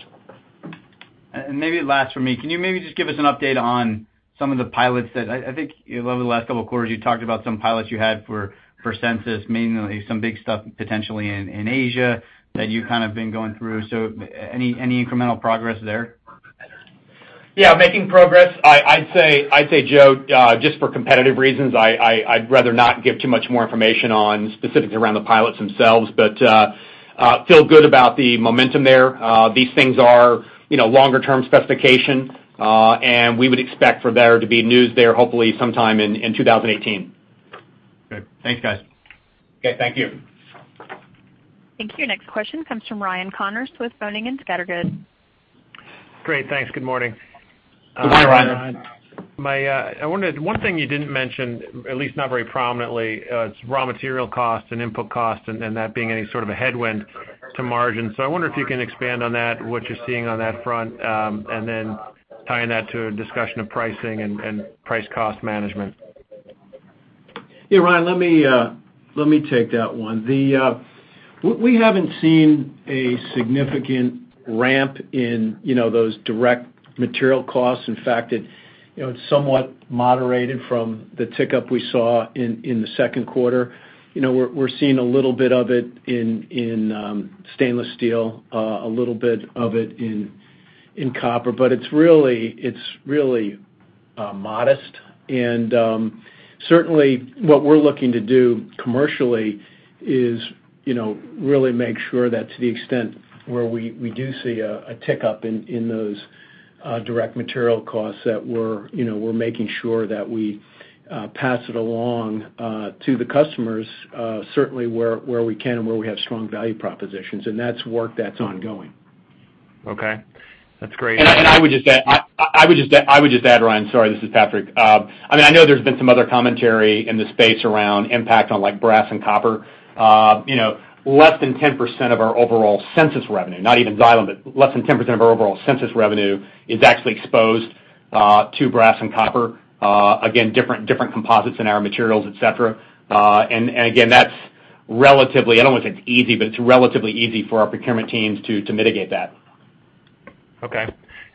Maybe last for me, can you maybe just give us an update on some of the pilots I think over the last couple of quarters, you talked about some pilots you had for Sensus, mainly some big stuff potentially in Asia that you kind of been going through. Any incremental progress there? Yeah, making progress. I'd say, Joe, just for competitive reasons, I'd rather not give too much more information on specifics around the pilots themselves, but feel good about the momentum there. These things are longer-term specification. We would expect for there to be news there hopefully sometime in 2018. Okay. Thanks, guys. Okay. Thank you. Thank you. Next question comes from Ryan Connors with Boenning & Scattergood. Great. Thanks. Good morning. Good morning, Ryan. One thing you didn't mention, at least not very prominently, is raw material costs and input costs, and that being any sort of a headwind to margin. I wonder if you can expand on that, what you're seeing on that front, and then tying that to a discussion of pricing and price cost management. Yeah, Ryan, let me take that one. We haven't seen a significant ramp in those direct material costs. In fact, it's somewhat moderated from the tick-up we saw in the second quarter. We're seeing a little bit of it in stainless steel, a little bit of it in copper, but it's really modest. Certainly, what we're looking to do commercially is really make sure that to the extent where we do see a tick-up in those direct material costs, that we're making sure that we pass it along to the customers certainly where we can and where we have strong value propositions. That's work that's ongoing. Okay. That's great. I would just add, Ryan, sorry, this is Patrick. I know there's been some other commentary in the space around impact on brass and copper. Less than 10% of our overall Sensus revenue, not even Xylem, but less than 10% of our overall Sensus revenue is actually exposed to brass and copper. Again, different composites in our materials, et cetera. Again, that's relatively, I don't want to say it's easy, but it's relatively easy for our procurement teams to mitigate that. Okay.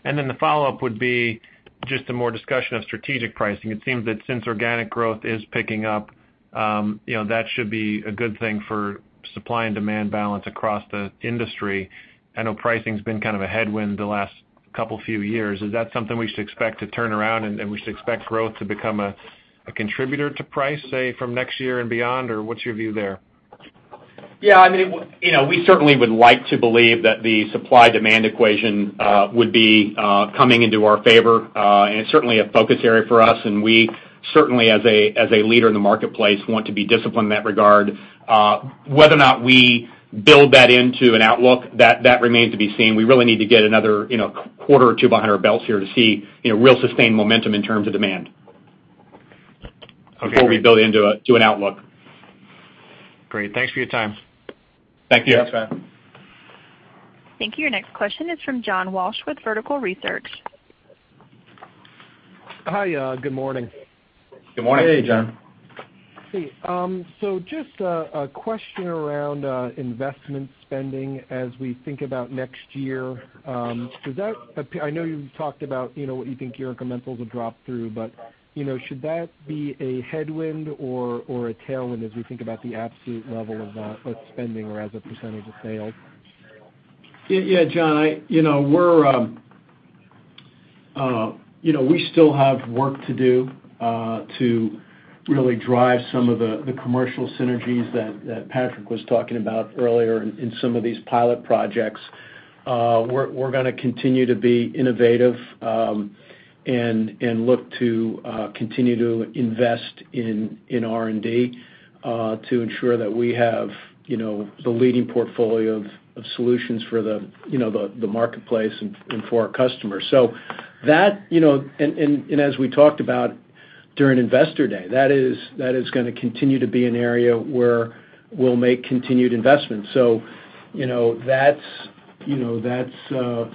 The follow-up would be just a more discussion of strategic pricing. It seems that since organic growth is picking up, that should be a good thing for supply and demand balance across the industry. I know pricing's been kind of a headwind the last couple few years. Is that something we should expect to turn around, and we should expect growth to become a contributor to price, say, from next year and beyond? What's your view there? Yeah. We certainly would like to believe that the supply-demand equation would be coming into our favor. It's certainly a focus area for us, and we certainly, as a leader in the marketplace, want to be disciplined in that regard. Whether or not we build that into an outlook, that remains to be seen. We really need to get another quarter or two behind our belts here to see real sustained momentum in terms of demand-. Okay Before we build into an outlook. Great. Thanks for your time. Thank you. Thanks, Ryan. Thank you. Your next question is from John Walsh with Vertical Research. Hi. Good morning. Good morning. Hey, John. Just a question around investment spending as we think about next year. I know you've talked about what you think your incrementals will drop through, should that be a headwind or a tailwind as we think about the absolute level of spending or as a % of sales? Yeah, John. We still have work to do to really drive some of the commercial synergies that Patrick was talking about earlier in some of these pilot projects. We're gonna continue to be innovative and look to continue to invest in R&D to ensure that we have the leading portfolio of solutions for the marketplace and for our customers. As we talked about during Investor Day, that is gonna continue to be an area where we'll make continued investments. That's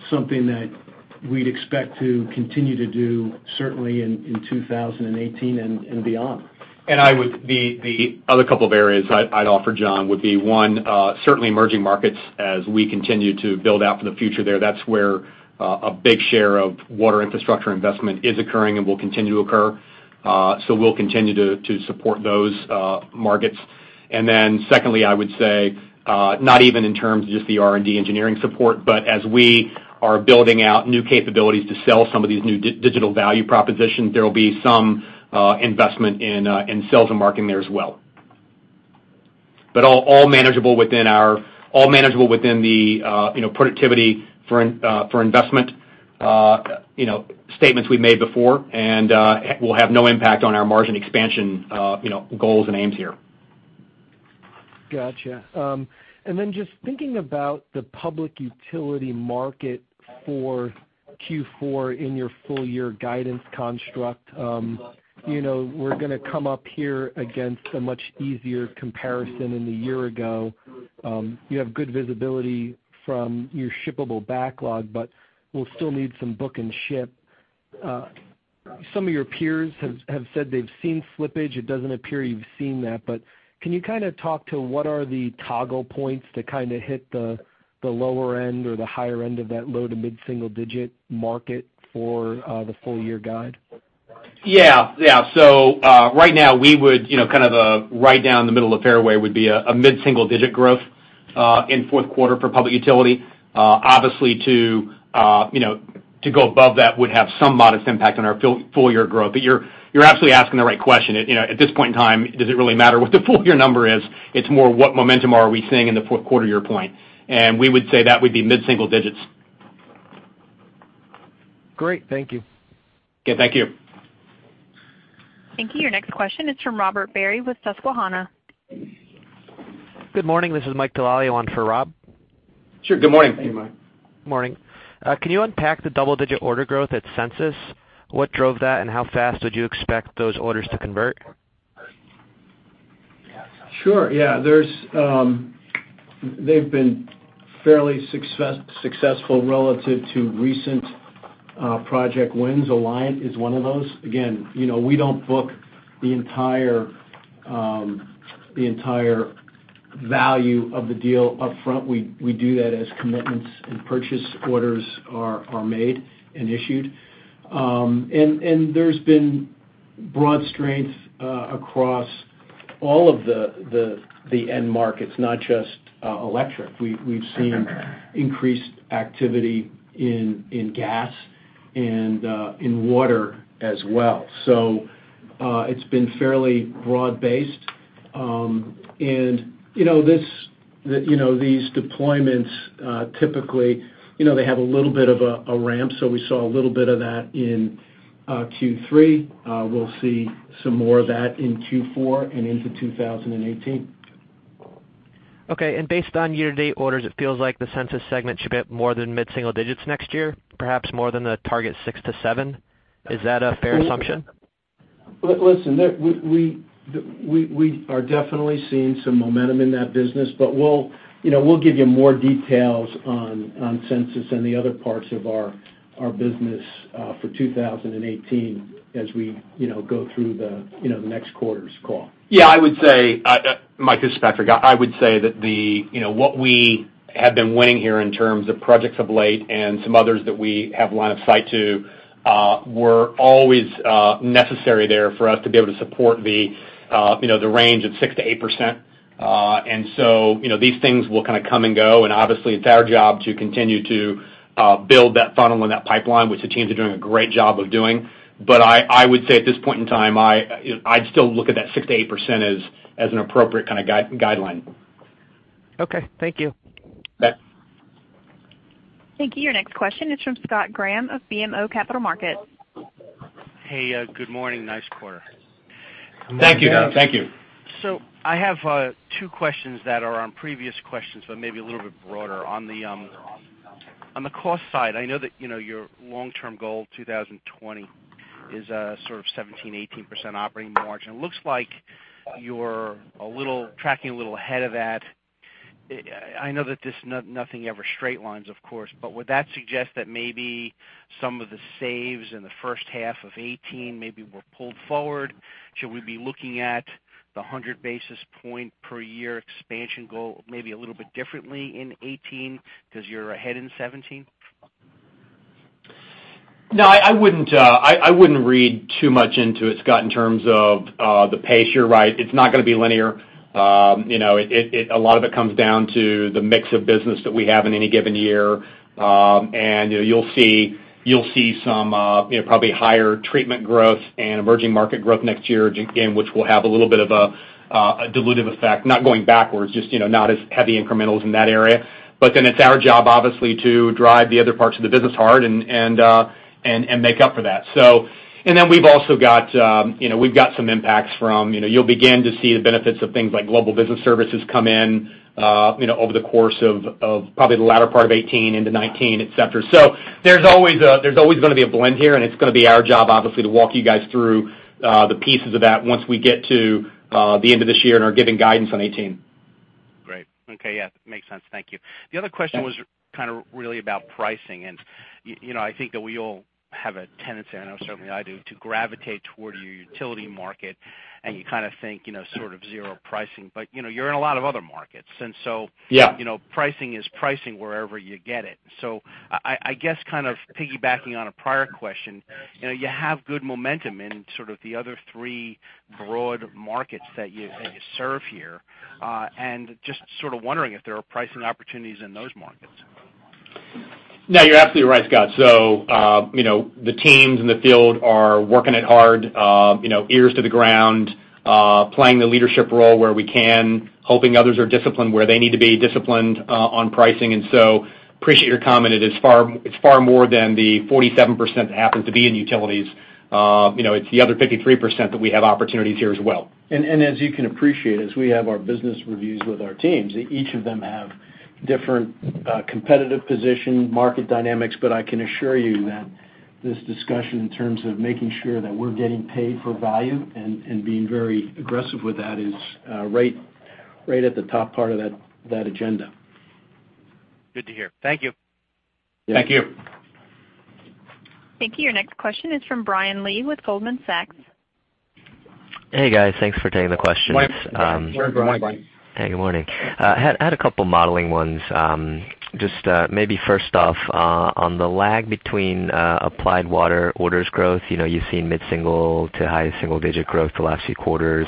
something that we'd expect to continue to do certainly in 2018 and beyond. The other couple of areas I'd offer, John, would be one, certainly emerging markets as we continue to build out for the future there. That's where a big share of Water Infrastructure investment is occurring and will continue to occur. We'll continue to support those markets. Then secondly, I would say, not even in terms of just the R&D engineering support, as we are building out new capabilities to sell some of these new digital value propositions, there will be some investment in sales and marketing there as well. All manageable within the productivity for investment statements we've made before and will have no impact on our margin expansion goals and aims here. Got you. Just thinking about the public utility market for Q4 in your full-year guidance construct. We're gonna come up here against a much easier comparison in the year-ago. You have good visibility from your shippable backlog, but we'll still need some book and ship. Some of your peers have said they've seen slippage. It doesn't appear you've seen that, but can you talk to what are the toggle points to hit the lower end or the higher end of that low to mid-single-digit market for the full-year guide? Yeah. Right now, kind of right down the middle of fairway would be a mid-single-digit growth in fourth quarter for public utility. Obviously, to go above that would have some modest impact on our full-year growth. You're absolutely asking the right question. At this point in time, does it really matter what the full-year number is? It's more, what momentum are we seeing in the fourth quarter year point? We would say that would be mid-single-digits. Great. Thank you. Okay. Thank you. Thank you. Your next question is from Robert Barry with Susquehanna. Good morning. This is Michael DeLallo on for Rob. Sure. Good morning. Hey, Mike. Morning. Can you unpack the double-digit order growth at Sensus? What drove that, and how fast did you expect those orders to convert? Sure, yeah. They've been fairly successful relative to recent project wins. Alliant is one of those. Again, we don't book the entire value of the deal up front. We do that as commitments and purchase orders are made and issued. There's been broad strength across all of the end markets, not just electric. We've seen increased activity in gas and in water as well. It's been fairly broad-based. These deployments, typically, they have a little bit of a ramp. We saw a little bit of that in Q3. We'll see some more of that in Q4 and into 2018. Okay, based on year-to-date orders, it feels like the Sensus segment should hit more than mid-single digits next year, perhaps more than the target six to seven. Is that a fair assumption? Listen, we are definitely seeing some momentum in that business. We'll give you more details on Sensus and the other parts of our business for 2018 as we go through the next quarter's call. Yeah, Mike, this is Patrick. I would say that what we have been winning here in terms of projects of late and some others that we have line of sight to, were always necessary there for us to be able to support the range of 6%-7%. These things will kind of come and go, and obviously, it's our job to continue to build that funnel and that pipeline, which the teams are doing a great job of doing. I would say at this point in time, I'd still look at that 6%-7% as an appropriate kind of guideline. Okay. Thank you. You bet. Thank you. Your next question is from Scott Graham of BMO Capital Markets. Hey, good morning. Nice quarter. Thank you, Scott. Thank you. I have two questions that are on previous questions, but maybe a little bit broader. On the cost side, I know that your long-term goal, 2020, is sort of 17%, 18% operating margin. Looks like you're tracking a little ahead of that. I know that nothing ever straight lines, of course, but would that suggest that maybe some of the saves in the first half of 2018 maybe were pulled forward? Should we be looking at the 100 basis point per year expansion goal maybe a little bit differently in 2018 because you're ahead in 2017? No, I wouldn't read too much into it, Scott, in terms of the pace. You're right, it's not going to be linear. A lot of it comes down to the mix of business that we have in any given year. You'll see some probably higher treatment growth and emerging market growth next year, again, which will have a little bit of a dilutive effect, not going backwards, just not as heavy incrementals in that area. It's our job, obviously, to drive the other parts of the business hard and make up for that. We've got some impacts from, you'll begin to see the benefits of things like global business services come in over the course of probably the latter part of 2018 into 2019, et cetera. There's always going to be a blend here, and it's going to be our job, obviously, to walk you guys through the pieces of that once we get to the end of this year and are giving guidance on 2018. Great. Okay. Yeah, makes sense. Thank you. Thanks. The other question was kind of really about pricing, and I think that we all have a tendency, I know certainly I do, to gravitate toward your utility market, and you kind of think sort of zero pricing. You're in a lot of other markets. Yeah. Pricing is pricing wherever you get it. I guess kind of piggybacking on a prior question, you have good momentum in sort of the other three broad markets that you serve here. Just sort of wondering if there are pricing opportunities in those markets. No, you're absolutely right, Scott. The teams in the field are working it hard, ears to the ground, playing the leadership role where we can, helping others are disciplined where they need to be disciplined on pricing. Appreciate your comment. It's far more than the 47% that happens to be in utilities. It's the other 53% that we have opportunities here as well. As you can appreciate, as we have our business reviews with our teams, each of them have different competitive position, market dynamics. I can assure you that this discussion in terms of making sure that we're getting paid for value and being very aggressive with that is right at the top part of that agenda. Good to hear. Thank you. Thank you. Thank you. Your next question is from Brian Lee with Goldman Sachs. Hey, guys. Thanks for taking the questions. Where's Brian? Hey, good morning. I had a couple modeling ones. Just maybe first off, on the lag between Applied Water orders growth. You've seen mid-single to high single-digit growth the last few quarters,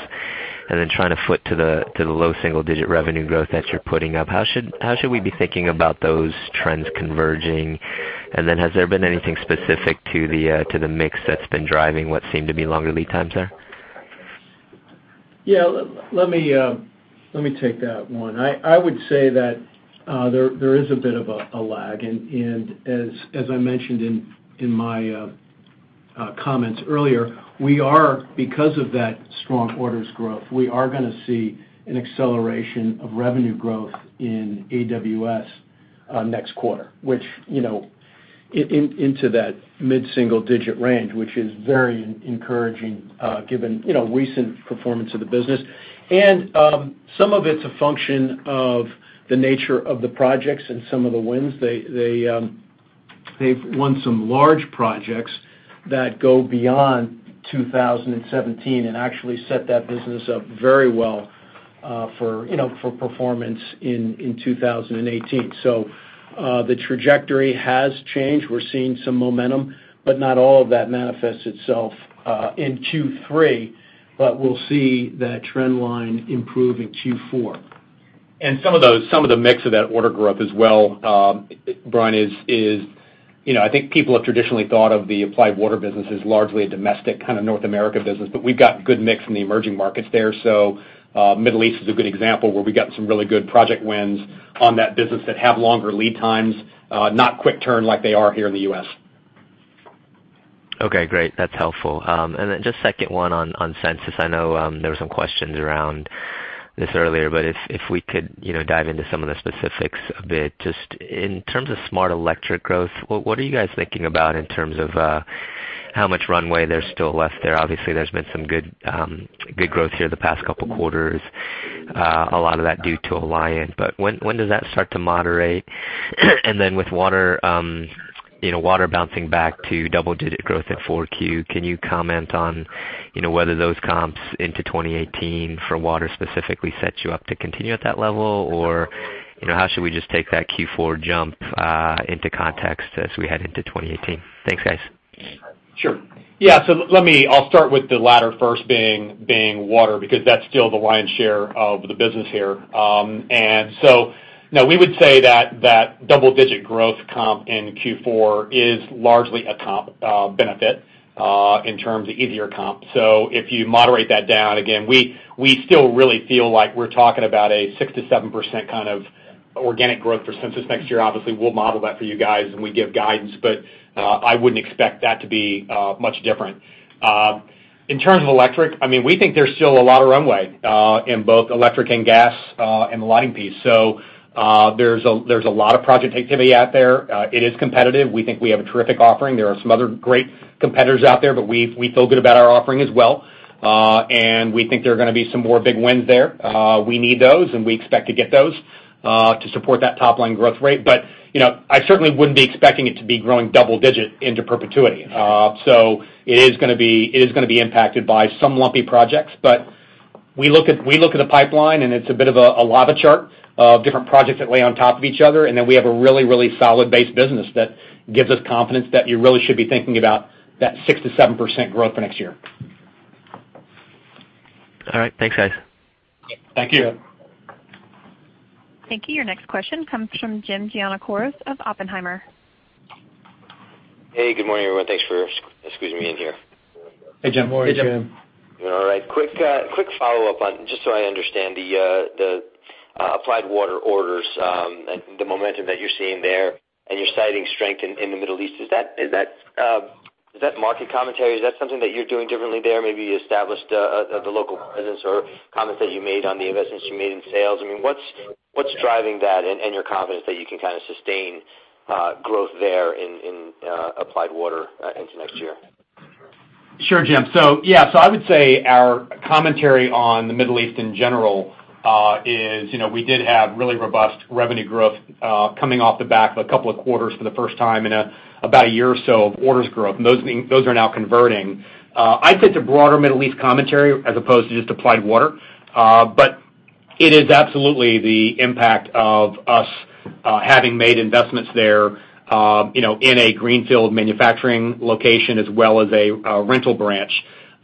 trying to foot to the low single-digit revenue growth that you're putting up. How should we be thinking about those trends converging? Has there been anything specific to the mix that's been driving what seemed to be longer lead times there? Yeah, let me take that one. I would say that there is a bit of a lag, and as I mentioned in my comments earlier, because of that strong orders growth, we are going to see an acceleration of revenue growth in AWS next quarter, into that mid-single digit range, which is very encouraging given recent performance of the business. Some of it's a function of the nature of the projects and some of the wins. They've won some large projects that go beyond 2017 and actually set that business up very well for performance in 2018. The trajectory has changed. We're seeing some momentum, but not all of that manifests itself in Q3, but we'll see that trend line improve in Q4. Some of the mix of that order growth as well, Brian, is I think people have traditionally thought of the Applied Water business as largely a domestic kind of North America business, but we've got good mix in the emerging markets there. Middle East is a good example where we got some really good project wins on that business that have longer lead times, not quick turn like they are here in the U.S. Okay, great. That's helpful. Just second one on Sensus. I know there were some questions around this earlier, but if we could dive into some of the specifics a bit. Just in terms of smart electric growth, what are you guys thinking about in terms of how much runway there's still left there? Obviously, there's been some good growth here the past couple of quarters. A lot of that due to Alliant. When does that start to moderate? With water bouncing back to double-digit growth in 4Q, can you comment on whether those comps into 2018 for water specifically sets you up to continue at that level? How should we just take that Q4 jump into context as we head into 2018? Thanks, guys. Sure. Yeah. I'll start with the latter first being water, because that's still the lion's share of the business here. We would say that double-digit growth comp in Q4 is largely a comp benefit in terms of easier comp. If you moderate that down, again, we still really feel like we're talking about a 6%-7% kind of organic growth for Sensus next year. Obviously, we'll model that for you guys when we give guidance, but I wouldn't expect that to be much different. In terms of electric, we think there's still a lot of runway in both electric and gas and the lighting piece. There's a lot of project activity out there. It is competitive. We think we have a terrific offering. There are some other great competitors out there, but we feel good about our offering as well. We think there are going to be some more big wins there. We need those, and we expect to get those to support that top-line growth rate. I certainly wouldn't be expecting it to be growing double digit into perpetuity. It is going to be impacted by some lumpy projects, but we look at the pipeline, and it's a bit of a lava chart of different projects that lay on top of each other, and then we have a really solid base business that gives us confidence that you really should be thinking about that 6%-7% growth for next year. All right. Thanks, guys. Thank you. Thank you. Your next question comes from Jim Giannakourus of Oppenheimer. Hey, good morning, everyone. Thanks for squeezing me in here. Hey, Jim. Morning, Jim. All right. Quick follow-up on, just so I understand the Applied Water orders, the momentum that you're seeing there, and you're citing strength in the Middle East. Is that market commentary? Is that something that you're doing differently there? Maybe you established the local presence or comments that you made on the investments you made in sales. What's driving that and your confidence that you can kind of sustain growth there in Applied Water into next year? Sure, Jim. Yeah. I would say our commentary on the Middle East in general is we did have really robust revenue growth coming off the back of a couple of quarters for the first time in about a year or so of orders growth, and those are now converting. I'd say it's a broader Middle East commentary as opposed to just Applied Water. It is absolutely the impact of us having made investments there in a greenfield manufacturing location as well as a rental branch.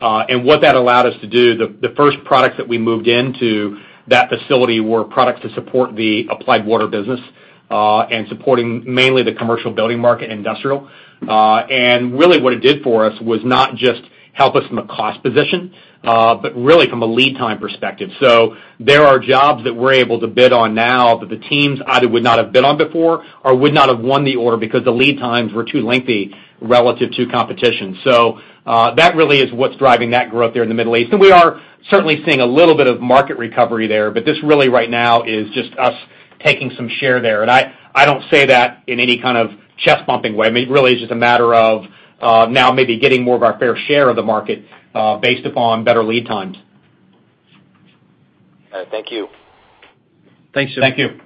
What that allowed us to do, the first products that we moved into that facility were products to support the Applied Water business and supporting mainly the commercial building market and industrial. Really what it did for us was not just help us from a cost position, but really from a lead time perspective. There are jobs that we're able to bid on now that the teams either would not have bid on before or would not have won the order because the lead times were too lengthy relative to competition. That really is what's driving that growth there in the Middle East. We are certainly seeing a little bit of market recovery there, but this really right now is just us taking some share there. I don't say that in any kind of chest-bumping way. It really is just a matter of now maybe getting more of our fair share of the market based upon better lead times. All right. Thank you. Thanks, Jim. Thank you.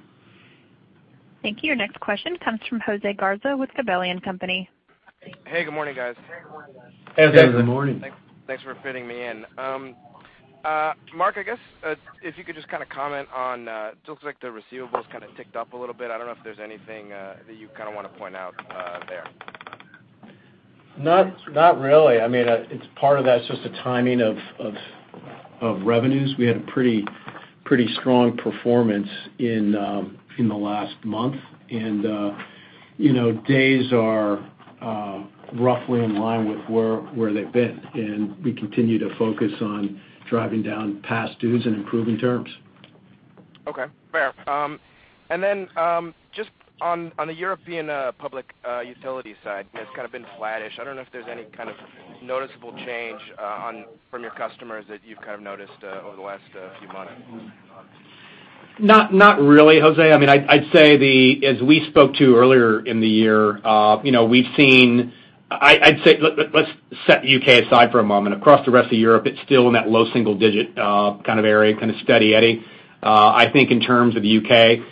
Thank you. Your next question comes from Jose Garza with Gabelli & Company. Hey, good morning, guys. Good morning. Good morning. Thanks for fitting me in. Mark, I guess, if you could just comment on, it looks like the receivables kind of ticked up a little bit. I don't know if there's anything that you want to point out there. Not really. Part of that's just the timing of revenues. We had a pretty strong performance in the last month. Days are roughly in line with where they've been, and we continue to focus on driving down past dues and improving terms. Okay, fair. Just on the European public utility side, it's kind of been flattish. I don't know if there's any kind of noticeable change from your customers that you've noticed over the last few months. Not really, Jose. I'd say as we spoke to earlier in the year, let's set the U.K. aside for a moment. Across the rest of Europe, it's still in that low single digit kind of area, kind of steady eddy. I think in terms of the U.K.,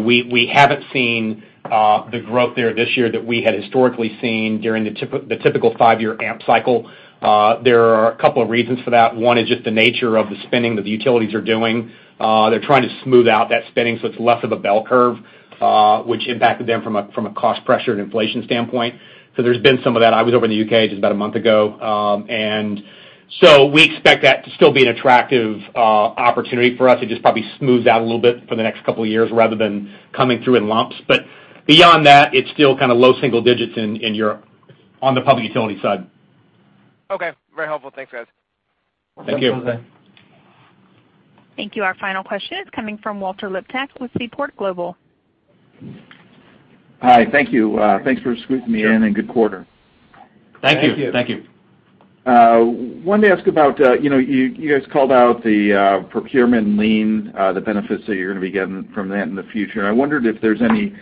we haven't seen the growth there this year that we had historically seen during the typical five-year AMP cycle. There are a couple of reasons for that. One is just the nature of the spending that the utilities are doing. They're trying to smooth out that spending so it's less of a bell curve, which impacted them from a cost pressure and inflation standpoint. There's been some of that. I was over in the U.K. just about a month ago. We expect that to still be an attractive opportunity for us. It just probably smooths out a little bit for the next couple of years rather than coming through in lumps. Beyond that, it's still low single digits in Europe on the public utility side. Okay. Very helpful. Thanks, guys. Thank you. Thank you, Jose. Thank you. Our final question is coming from Walter Liptak with Seaport Global. Hi, thank you. Thanks for squeezing me in. Good quarter. Thank you. Thank you. Wanted to ask about, you guys called out the procurement Lean, the benefits that you're going to be getting from that in the future. I wondered if there's any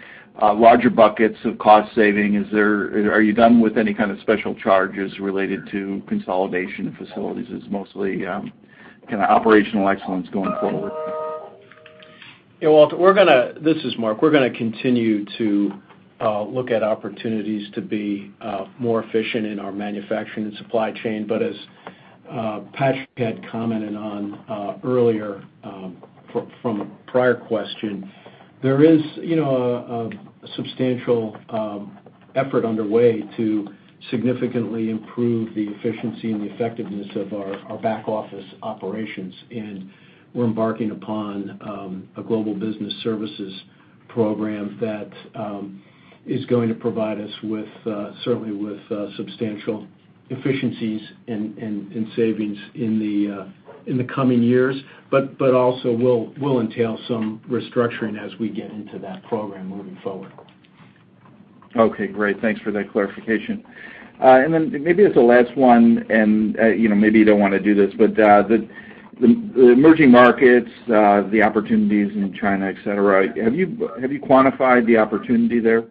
larger buckets of cost saving. Are you done with any kind of special charges related to consolidation of facilities? Is this mostly kind of operational excellence going forward? Yeah, Walter, this is Mark. We're going to continue to look at opportunities to be more efficient in our manufacturing and supply chain. As Patrick had commented on earlier from a prior question, there is a substantial effort underway to significantly improve the efficiency and the effectiveness of our back office operations. We're embarking upon a global business services program that is going to provide us certainly with substantial efficiencies and savings in the coming years, but also will entail some restructuring as we get into that program moving forward. Okay, great. Thanks for that clarification. Maybe as a last one, and maybe you don't want to do this, but the emerging markets, the opportunities in China, et cetera, have you quantified the opportunity there?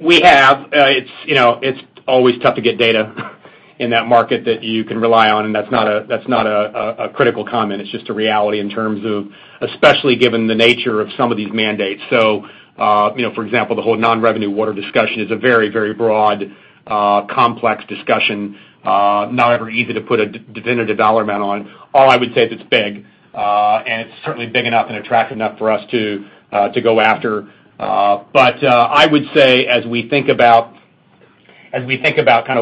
We have. It's always tough to get data in that market that you can rely on, and that's not a critical comment. It's just a reality in terms of, especially given the nature of some of these mandates. For example, the whole non-revenue water discussion is a very broad, complex discussion. Not ever easy to put a definitive dollar amount on. All I would say is it's big, and it's certainly big enough and attractive enough for us to go after. I would say as we think about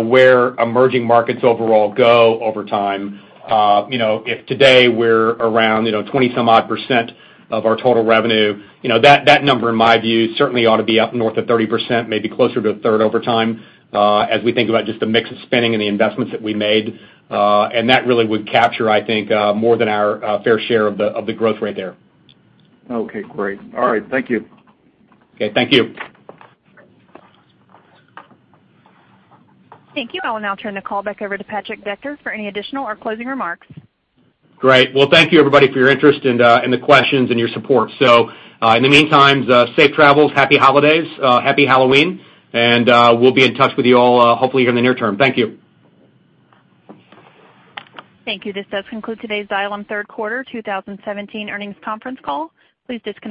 where emerging markets overall go over time, if today we're around 20-some odd % of our total revenue, that number in my view certainly ought to be up north of 30%, maybe closer to a third over time, as we think about just the mix of spending and the investments that we made. That really would capture, I think, more than our fair share of the growth rate there. Okay, great. All right. Thank you. Okay, thank you. Thank you. I will now turn the call back over to Patrick Decker for any additional or closing remarks. Great. Well, thank you everybody for your interest and the questions and your support. In the meantime, safe travels, happy holidays, happy Halloween, and we'll be in touch with you all hopefully here in the near term. Thank you. Thank you. This does conclude today's Xylem Third Quarter 2017 Earnings Conference Call. Please disconnect.